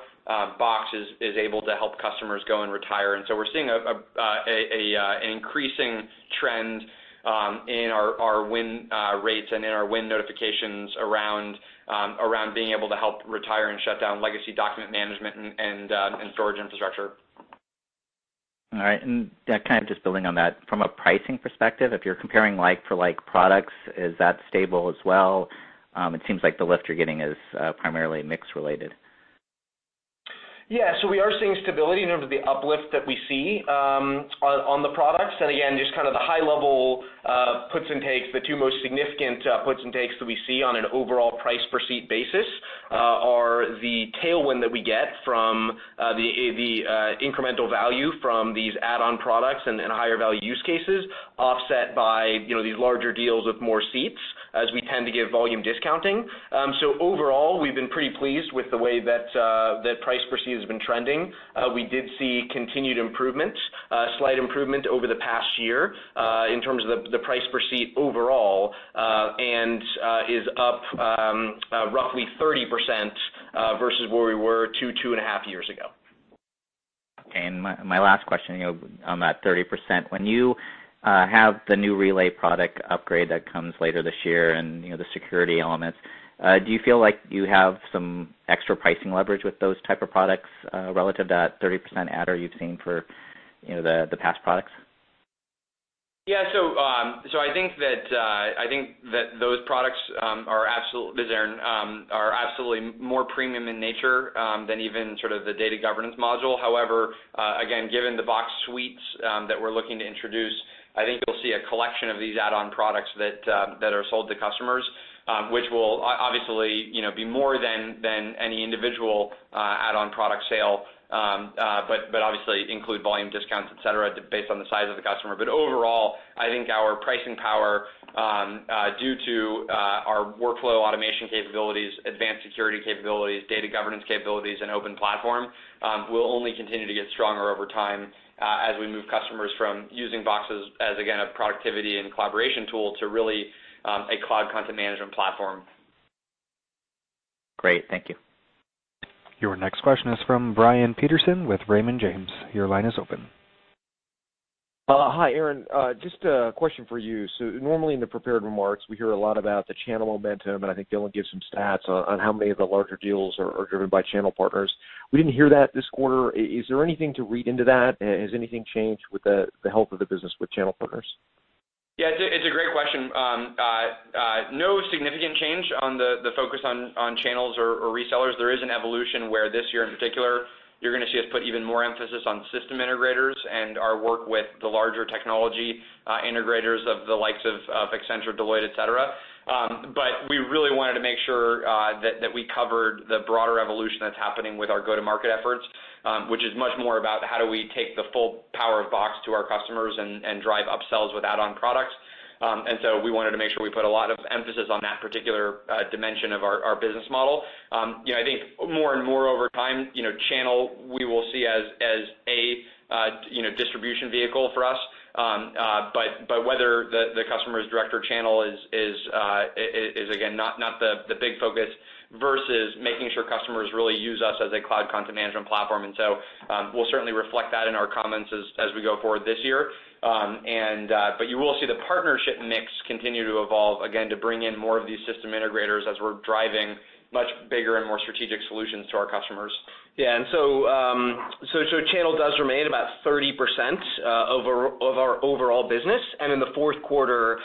Box is able to help customers go and retire. We're seeing an increasing trend in our win rates and in our win notifications around being able to help retire and shut down legacy document management and storage infrastructure. Just building on that, from a pricing perspective, if you're comparing like for like products, is that stable as well? It seems like the lift you're getting is primarily mix related. We are seeing stability in terms of the uplift that we see on the products. Again, just the high level puts and takes, the two most significant puts and takes that we see on an overall price per seat basis are the tailwind that we get from the incremental value from these add-on products and higher value use cases offset by these larger deals with more seats as we tend to give volume discounting. Overall, we've been pretty pleased with the way that price per seat has been trending. We did see continued improvements, slight improvement over the past year in terms of the price per seat overall, and is up roughly 30% versus where we were two and a half years ago. Okay. My last question on that 30%. When you have the new Relay product upgrade that comes later this year and the security elements, do you feel like you have some extra pricing leverage with those type of products relative to that 30% adder you've seen for the past products? Yeah. I think that those products are absolutely more premium in nature than even the data governance module. However, again, given the Box suites that we're looking to introduce, I think you'll see a collection of these add-on products that are sold to customers, which will obviously be more than any individual add-on product sale, but obviously include volume discounts, et cetera, based on the size of the customer. Overall, I think our pricing power, due to our workflow automation capabilities, advanced security capabilities, data governance capabilities, and open platform, will only continue to get stronger over time as we move customers from using Box as, again, a productivity and collaboration tool to really a Cloud Content Management platform. Great. Thank you. Your next question is from Brian Peterson with Raymond James. Your line is open. Hi, Aaron. Just a question for you. Normally in the prepared remarks, we hear a lot about the channel momentum, and I think Dylan gives some stats on how many of the larger deals are driven by channel partners. We didn't hear that this quarter. Is there anything to read into that? Has anything changed with the health of the business with channel partners? Yeah, it's a great question. No significant change on the focus on channels or resellers. There is an evolution where this year in particular, you're going to see us put even more emphasis on system integrators and our work with the larger technology integrators of the likes of Accenture, Deloitte, et cetera. We really wanted to make sure that we covered the broader evolution that's happening with our go-to-market efforts, which is much more about how do we take the full power of Box to our customers and drive upsells with add-on products. We wanted to make sure we put a lot of emphasis on that particular dimension of our business model. I think more and more over time, channel we will see as a distribution vehicle for us, but whether the customer is direct or channel is again, not the big focus versus making sure customers really use us as a Cloud Content Management platform. We'll certainly reflect that in our comments as we go forward this year. You will see the partnership mix continue to evolve again to bring in more of these system integrators as we're driving much bigger and more strategic solutions to our customers. Yeah, channel does remain about 30% of our overall business. In the fourth quarter,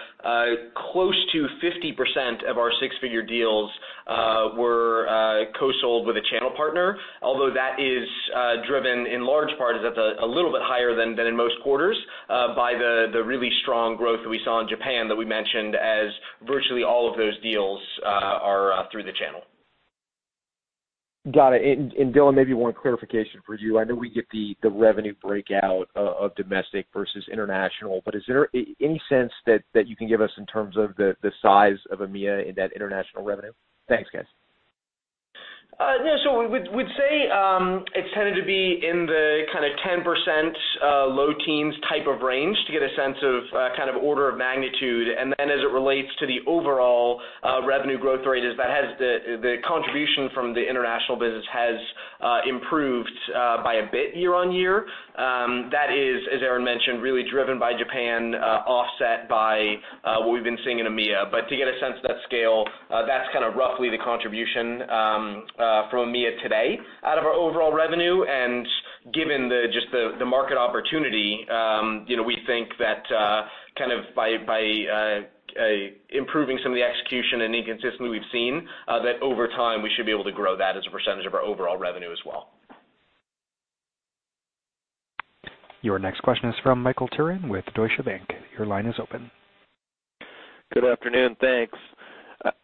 close to 50% of our six-figure deals were co-sold with a channel partner, although that is driven in large part, is at a little bit higher than in most quarters, by the really strong growth that we saw in Japan that we mentioned as virtually all of those deals are through the channel. Got it. Dylan, maybe one clarification for you. I know we get the revenue breakout of domestic versus international, but is there any sense that you can give us in terms of the size of EMEA in that international revenue? Thanks, guys. We'd say it's tended to be in the 10% low teens type of range to get a sense of order of magnitude. As it relates to the overall revenue growth rate, the contribution from the international business has improved by a bit year-on-year. That is, as Aaron mentioned, really driven by Japan, offset by what we've been seeing in EMEA. To get a sense of that scale, that's roughly the contribution from EMEA today out of our overall revenue, and given just the market opportunity, we think that by improving some of the execution and inconsistency we've seen, that over time, we should be able to grow that as a percentage of our overall revenue as well. Your next question is from Michael Turrin with Deutsche Bank. Your line is open. Good afternoon. Thanks.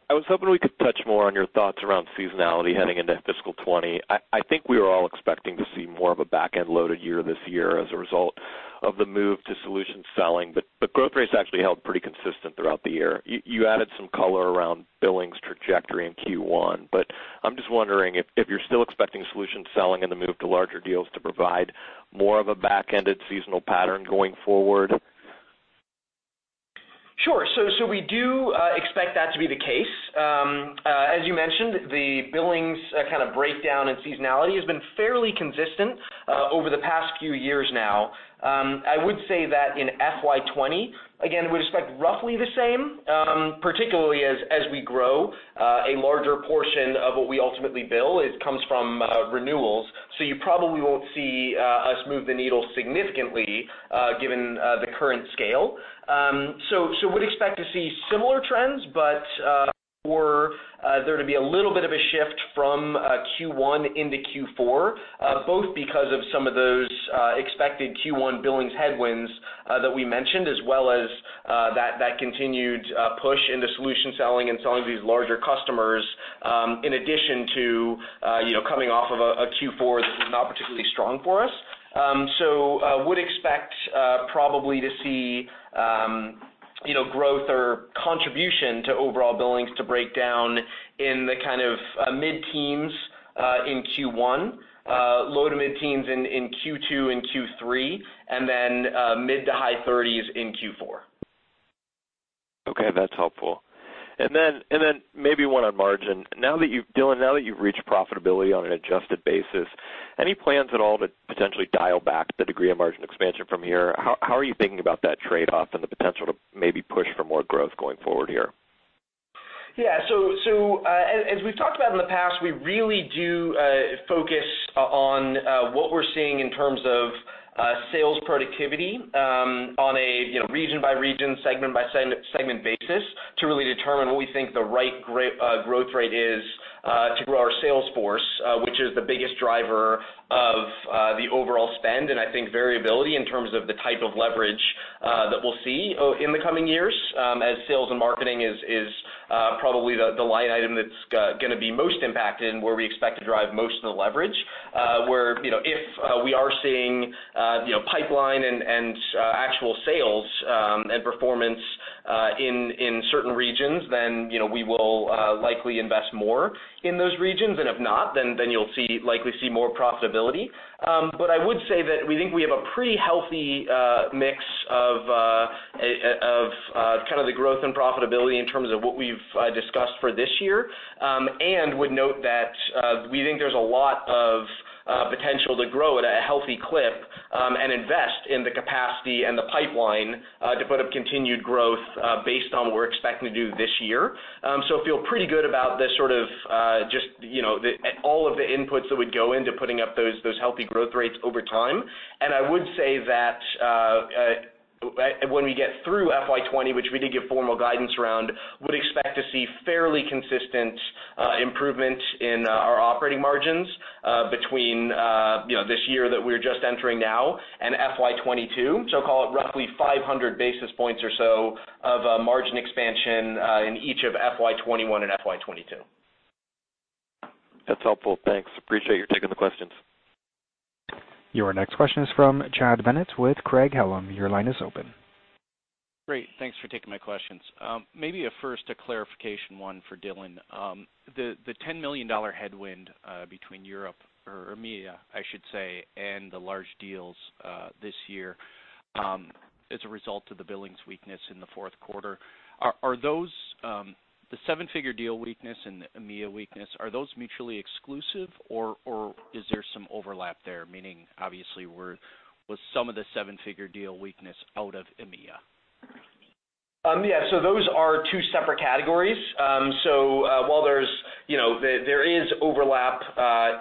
I was hoping we could touch more on your thoughts around seasonality heading into FY 2020. I think we were all expecting to see more of a back-end loaded year this year as a result of the move to solution selling, growth rates actually held pretty consistent throughout the year. You added some color around billings trajectory in Q1, I'm just wondering if you're still expecting solution selling and the move to larger deals to provide more of a back-ended seasonal pattern going forward. Sure. We do expect that to be the case. As you mentioned, the billings breakdown in seasonality has been fairly consistent over the past few years now. I would say that in FY 2020, again, we expect roughly the same, particularly as we grow a larger portion of what we ultimately bill, it comes from renewals. You probably won't see us move the needle significantly, given the current scale. Would expect to see similar trends, but for there to be a little bit of a shift from Q1 into Q4, both because of some of those expected Q1 billings headwinds that we mentioned, as well as that continued push into solution selling and selling to these larger customers, in addition to coming off of a Q4 that was not particularly strong for us. Would expect probably to see growth or contribution to overall billings to break down in the mid-teens in Q1, low to mid-teens in Q2 and Q3, then mid to high 30s in Q4. Okay, that's helpful. Then maybe one on margin. Dylan, now that you've reached profitability on an adjusted basis, any plans at all to potentially dial back the degree of margin expansion from here? How are you thinking about that trade-off and the potential to maybe push for more growth going forward here? Yeah. As we've talked about in the past, we really do focus on what we're seeing in terms of sales productivity, on a region by region, segment by segment basis, to really determine what we think the right growth rate is to grow our sales force, which is the biggest driver of the overall spend, and I think variability in terms of the type of leverage that we'll see in the coming years, as sales and marketing is probably the line item that's going to be most impacted and where we expect to drive most of the leverage. Where, if we are seeing pipeline and actual sales and performance in certain regions, then we will likely invest more in those regions. If not, then you'll likely see more profitability. I would say that we think we have a pretty healthy mix of the growth and profitability in terms of what we've discussed for this year. Would note that we think there's a lot of potential to grow at a healthy clip, and invest in the capacity and the pipeline, to put up continued growth, based on what we're expecting to do this year. Feel pretty good about all of the inputs that would go into putting up those healthy growth rates over time. I would say that, when we get through FY 2020, which we did give formal guidance around, would expect to see fairly consistent improvement in our operating margins between this year that we're just entering now and FY 2022. Call it roughly 500 basis points or so of margin expansion in each of FY 2021 and FY 2022. That's helpful. Thanks. Appreciate you taking the questions. Your next question is from Chad Bennett with Craig-Hallum. Your line is open. Great. Thanks for taking my questions. Maybe at first a clarification one for Dylan. The $10 million headwind between Europe, or EMEA, I should say, and the large deals this year, as a result of the billings weakness in the fourth quarter, the seven-figure deal weakness and the EMEA weakness, are those mutually exclusive, or is there some overlap there? Meaning, obviously, was some of the seven-figure deal weakness out of EMEA? Yeah, those are two separate categories. While there is overlap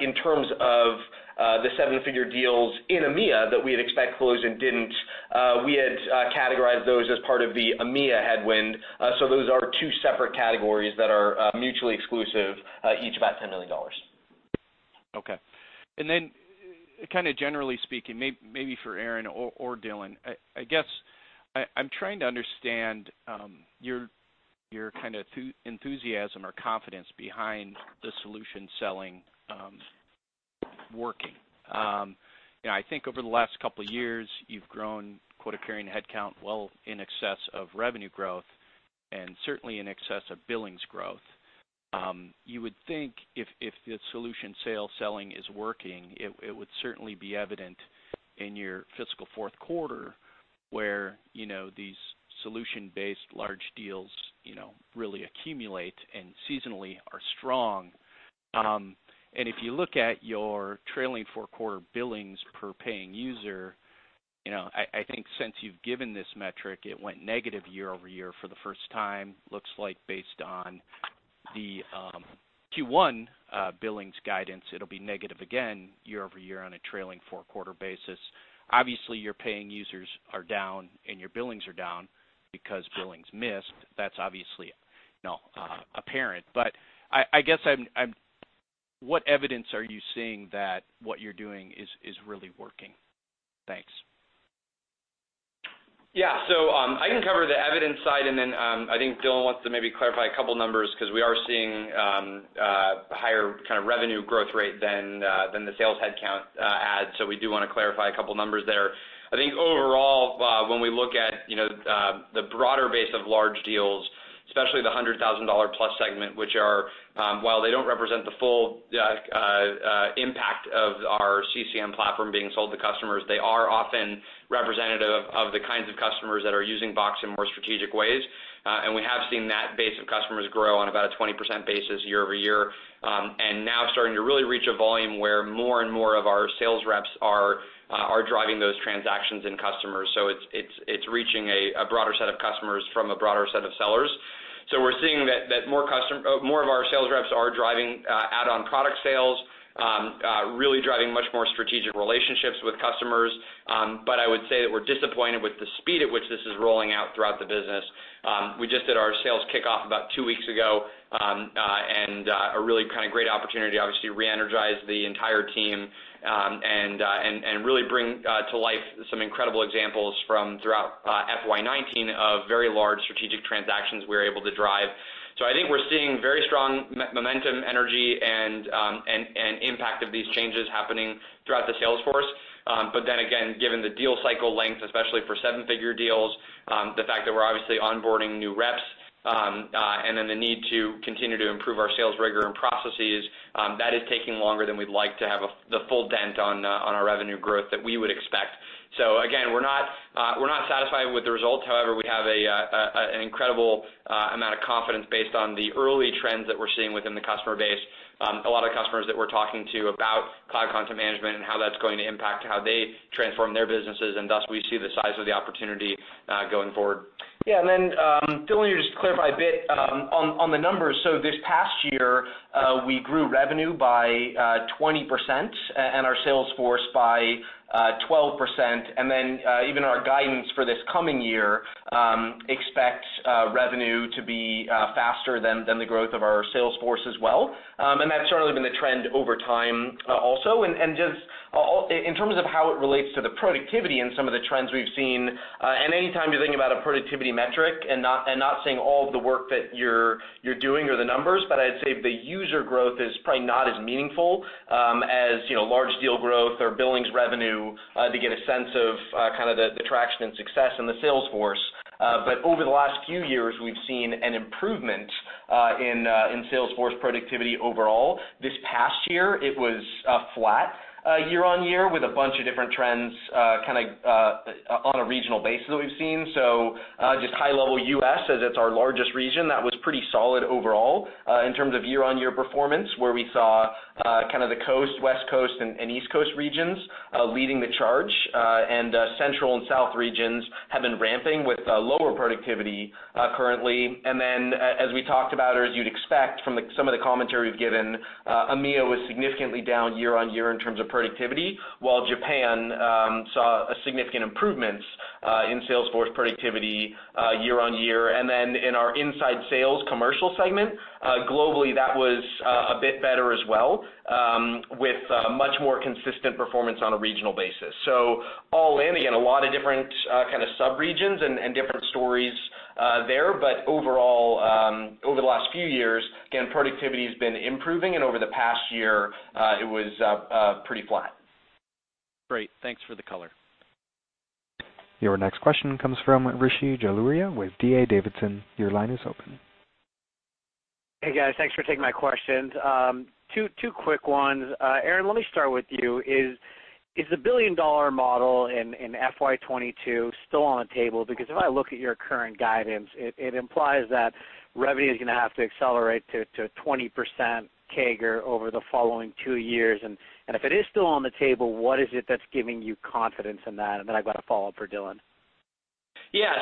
in terms of the seven-figure deals in EMEA that we had expected to close and didn't, we had categorized those as part of the EMEA headwind. Those are two separate categories that are mutually exclusive, each about $10 million. Okay. Then, generally speaking, maybe for Aaron or Dylan, I guess I'm trying to understand your enthusiasm or confidence behind the solution selling working. I think over the last couple of years you've grown quota-carrying headcount well in excess of revenue growth, and certainly in excess of billings growth. You would think if the solution selling is working, it would certainly be evident in your fiscal fourth quarter, where these solution-based large deals really accumulate and seasonally are strong. If you look at your trailing four-quarter billings per paying user, I think since you've given this metric, it went negative year-over-year for the first time. Looks like based on the Q1 billings guidance, it'll be negative again year-over-year on a trailing four-quarter basis. Obviously, your paying users are down and your billings are down because billings missed. That's obviously apparent, I guess, what evidence are you seeing that what you're doing is really working? Thanks. Yeah. I can cover the evidence side then I think Dylan wants to maybe clarify a couple of numbers because we are seeing a higher revenue growth rate than the sales headcount add, we do want to clarify a couple of numbers there. I think overall, when we look at the broader base of large deals, especially the $100,000-plus segment, which while they don't represent the full impact of our CCM platform being sold to customers, they are often representative of the kinds of customers that are using Box in more strategic ways. We have seen that base of customers grow on about a 20% basis year-over-year. Now starting to really reach a volume where more and more of our sales reps are driving those transactions in customers. It's reaching a broader set of customers from a broader set of sellers. We're seeing that more of our sales reps are driving add-on product sales, really driving much more strategic relationships with customers. I would say that we're disappointed with the speed at which this is rolling out throughout the business. We just did our sales kickoff about two weeks ago, a really great opportunity, obviously, to re-energize the entire team, and really bring to life some incredible examples from throughout FY 2019 of very large strategic transactions we were able to drive. I think we're seeing very strong momentum, energy, and impact of these changes happening throughout the sales force. Again, given the deal cycle lengths, especially for seven-figure deals, the fact that we're obviously onboarding new reps, the need to continue to improve our sales rigor and processes, that is taking longer than we'd like to have the full dent on our revenue growth that we would expect. Again, we're not satisfied with the results. However, we have an incredible amount of confidence based on the early trends that we're seeing within the customer base. A lot of customers that we're talking to about Cloud Content Management and how that's going to impact how they transform their businesses, and thus we see the size of the opportunity going forward. Dylan, just to clarify a bit on the numbers. This past year, we grew revenue by 20% and our sales force by 12%. Even our guidance for this coming year expects revenue to be faster than the growth of our sales force as well. That's certainly been the trend over time also. Just in terms of how it relates to the productivity and some of the trends we've seen, anytime you're thinking about a productivity metric and not seeing all of the work that you're doing or the numbers, I'd say the user growth is probably not as meaningful as large deal growth or billings revenue to get a sense of kind of the traction and success in the sales force. Over the last few years, we've seen an improvement in sales force productivity overall. This past year, it was flat year-over-year with a bunch of different trends on a regional basis that we've seen. Just high level U.S., as it's our largest region, that was pretty solid overall, in terms of year-over-year performance, where we saw the West Coast and East Coast regions leading the charge. Central and South regions have been ramping with lower productivity currently. As we talked about, or as you'd expect from some of the commentary we've given, EMEA was significantly down year-over-year in terms of productivity, while Japan saw significant improvements in sales force productivity year-over-year. In our inside sales commercial segment, globally, that was a bit better as well, with much more consistent performance on a regional basis. All in, again, a lot of different kind of subregions and different stories there. Overall, over the last few years, again, productivity has been improving, and over the past year, it was pretty flat. Great. Thanks for the color. Your next question comes from Rishi Jaluria with D.A. Davidson. Your line is open. Hey, guys. Thanks for taking my questions. Two quick ones. Aaron, let me start with you. Is the billion-dollar model in FY 2022 still on the table? If I look at your current guidance, it implies that revenue is going to have to accelerate to 20% CAGR over the following two years. If it is still on the table, what is it that's giving you confidence in that? I've got a follow-up for Dylan. Yeah.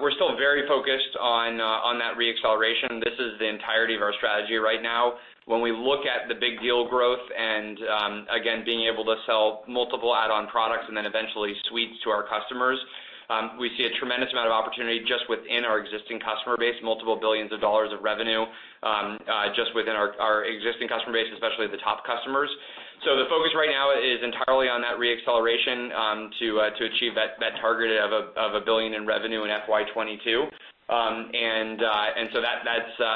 We're still very focused on that re-acceleration. This is the entirety of our strategy right now. When we look at the big deal growth, again, being able to sell multiple add-on products and then eventually suites to our customers, we see a tremendous amount of opportunity just within our existing customer base, multiple billions of dollars of revenue, just within our existing customer base, especially the top customers. The focus right now is entirely on that re-acceleration, to achieve that target of $1 billion in revenue in FY 2022.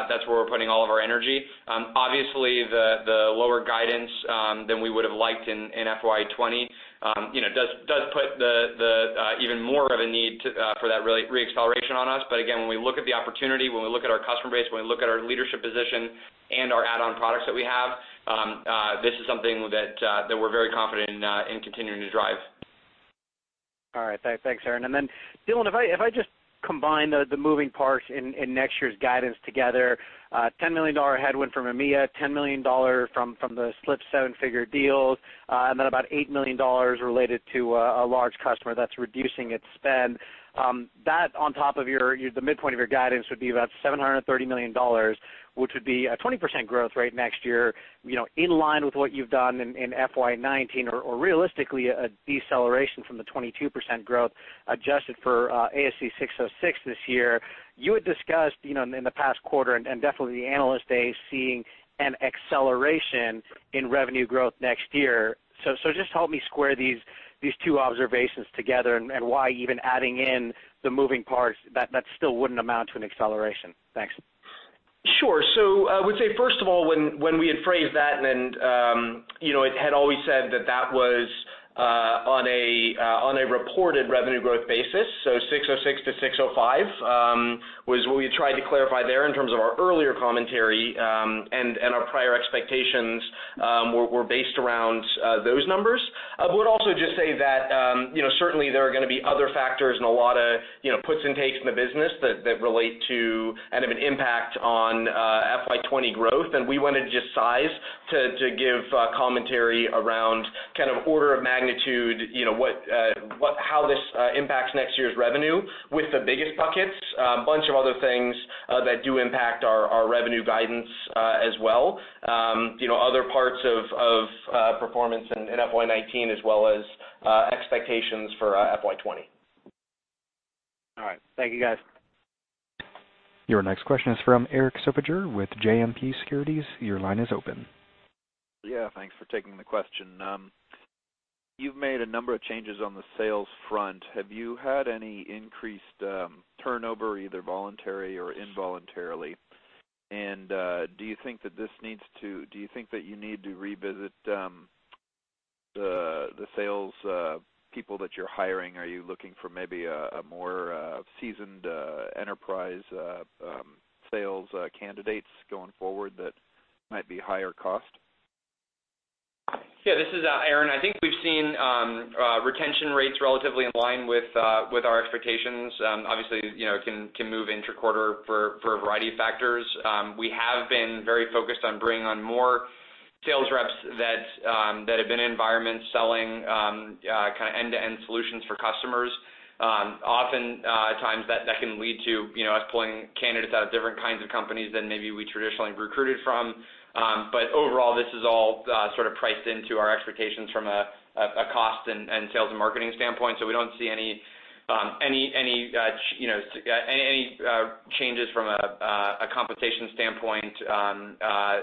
That's where we're putting all of our energy. Obviously, the lower guidance than we would've liked in FY 2020 does put even more of a need for that re-acceleration on us. Again, when we look at the opportunity, when we look at our customer base, when we look at our leadership position and our add-on products that we have, this is something that we're very confident in continuing to drive. All right. Thanks, Aaron. Dylan, if I just combine the moving parts in next year's guidance together, $10 million headwind from EMEA, $10 million from the slipped seven-figure deals, and then about $8 million related to a large customer that's reducing its spend. That on top of the midpoint of your guidance would be about $730 million, which would be a 20% growth rate next year, in line with what you've done in FY 2019 or realistically, a deceleration from the 22% growth adjusted for ASC 606 this year. You had discussed, in the past quarter and definitely the Analyst Day, seeing an acceleration in revenue growth next year. Just help me square these two observations together, and why even adding in the moving parts, that still wouldn't amount to an acceleration. Thanks. Sure. I would say, first of all, when we had phrased that and it had always said that was on a reported revenue growth basis, ASC 606 to ASC 605, was what we tried to clarify there in terms of our earlier commentary, and our prior expectations were based around those numbers. I would also just say that certainly there are going to be other factors and a lot of puts and takes in the business that relate to and have an impact on FY 2020 growth. We wanted to just size to give commentary around kind of order of magnitude, how this impacts next year's revenue with the biggest buckets. A bunch of other things that do impact our revenue guidance as well. Other parts of performance in FY 2019 as well as expectations for FY 2020. All right. Thank you, guys. Your next question is from Eric Sypos with JMP Securities. Your line is open. Yeah. Thanks for taking the question. You've made a number of changes on the sales front. Have you had any increased turnover, either voluntary or involuntarily? Do you think that you need to revisit the salespeople that you're hiring? Are you looking for maybe a more seasoned enterprise sales candidates going forward that might be higher cost? Yeah, this is Aaron. I think we've seen retention rates relatively in line with our expectations. Obviously, it can move intra-quarter for a variety of factors. We have been very focused on bringing on more Sales reps that have been in environments selling end-to-end solutions for customers. Often times that can lead to us pulling candidates out of different kinds of companies than maybe we traditionally recruited from. Overall, this is all sort of priced into our expectations from a cost and sales and marketing standpoint. We don't see any changes from a compensation standpoint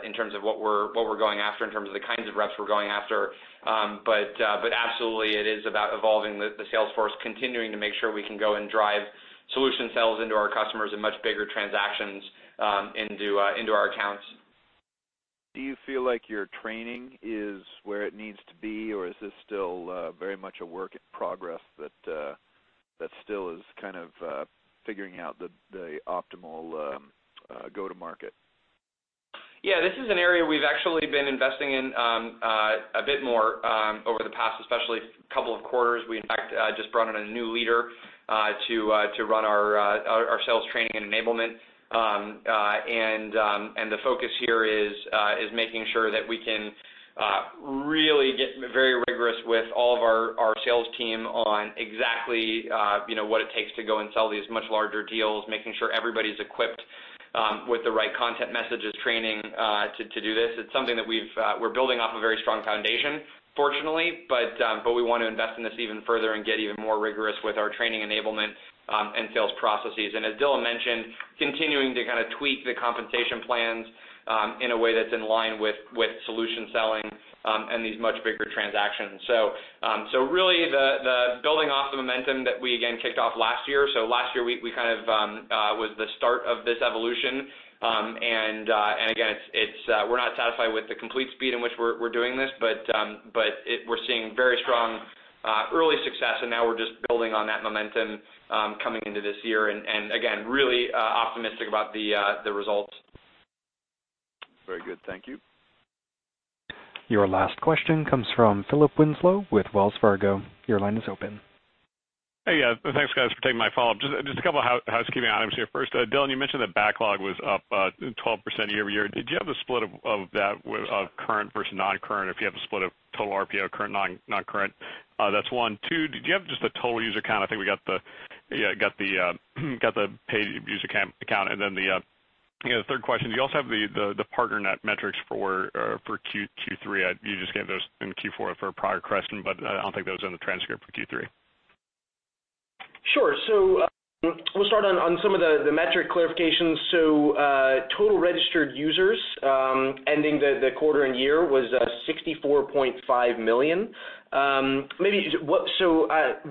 in terms of what we're going after, in terms of the kinds of reps we're going after. Absolutely, it is about evolving the sales force, continuing to make sure we can go and drive solution sales into our customers and much bigger transactions into our accounts. Do you feel like your training is where it needs to be, or is this still very much a work in progress that still is kind of figuring out the optimal go-to-market? Yeah, this is an area we've actually been investing in a bit more over the past, especially couple of quarters. We, in fact, just brought in a new leader to run our sales training and enablement. The focus here is making sure that we can really get very rigorous with all of our sales team on exactly what it takes to go and sell these much larger deals, making sure everybody's equipped with the right content, messages, training to do this. It's something that we're building off a very strong foundation, fortunately, but we want to invest in this even further and get even more rigorous with our training enablement and sales processes. As Dylan mentioned, continuing to kind of tweak the compensation plans in a way that's in line with solution selling and these much bigger transactions. Really the building off the momentum that we again kicked off last year. Last year was the start of this evolution. Again, we're not satisfied with the complete speed in which we're doing this, but we're seeing very strong early success, and now we're just building on that momentum coming into this year, and again, really optimistic about the results. Very good. Thank you. Your last question comes from Philip Winslow with Wells Fargo. Your line is open. Hey. Thanks, guys, for taking my follow-up. Just a couple housekeeping items here. First, Dylan, you mentioned that backlog was up 12% year-over-year. Did you have a split of that of current versus non-current? If you have a split of total RPO, current, non-current? That's 1. 2. Did you have just the total user count? I think we got the paid user account. The third question, do you also have the partner net metrics for Q3? You just gave those in Q4 for a prior question, I don't think that was in the transcript for Q3. Sure. We'll start on some of the metric clarifications. Total registered users ending the quarter and year was 64.5 million.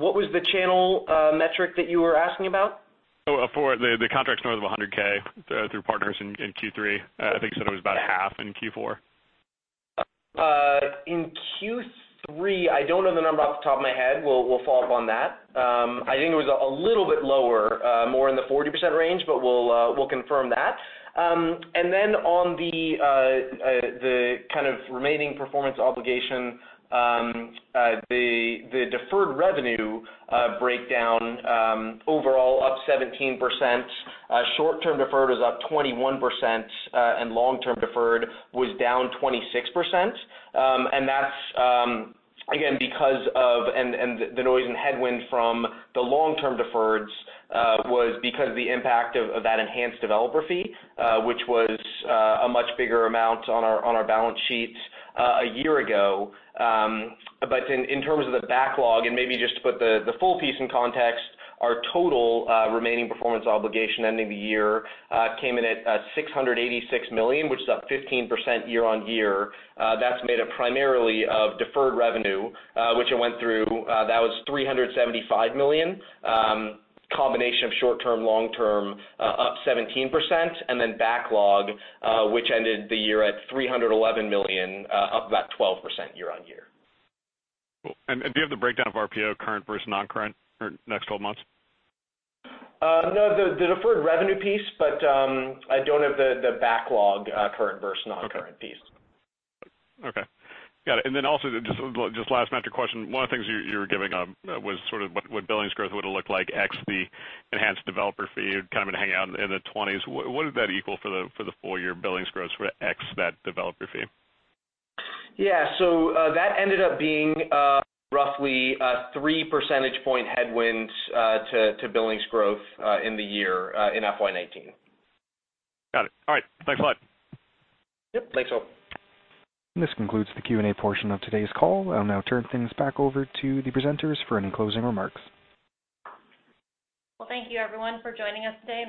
What was the channel metric that you were asking about? For the contracts north of 100K through partners in Q3. I think you said it was about half in Q4. In Q3, I don't know the number off the top of my head. We'll follow up on that. I think it was a little bit lower, more in the 40% range, but we'll confirm that. On the kind of remaining performance obligation, the deferred revenue breakdown overall up 17%. Short-term deferred was up 21%, and long-term deferred was down 26%. That's, again, because of the noise and headwind from the long-term deferreds was because of the impact of that enhanced developer fee, which was a much bigger amount on our balance sheets a year ago. In terms of the backlog, and maybe just to put the full piece in context, our total remaining performance obligation ending the year came in at $686 million, which is up 15% year-on-year. That's made up primarily of deferred revenue which I went through. That was $375 million. Combination of short-term, long-term up 17%, backlog which ended the year at $311 million, up about 12% year-on-year. Cool. Do you have the breakdown of RPO current versus non-current for next 12 months? No, the deferred revenue piece. I don't have the backlog current versus non-current piece. Okay. Got it. Also, just last metric question. One of the things you were giving was sort of what billings growth would have looked like ex the enhanced developer fee kind of going to hang out in the 20s. What did that equal for the full year billings growth sort of ex that developer fee? Yeah. That ended up being roughly a three percentage point headwind to billings growth in the year in FY 2019. Got it. All right. Thanks a lot. Yep. Thanks, all. This concludes the Q&A portion of today's call. I'll now turn things back over to the presenters for any closing remarks. Well, thank you everyone for joining us today.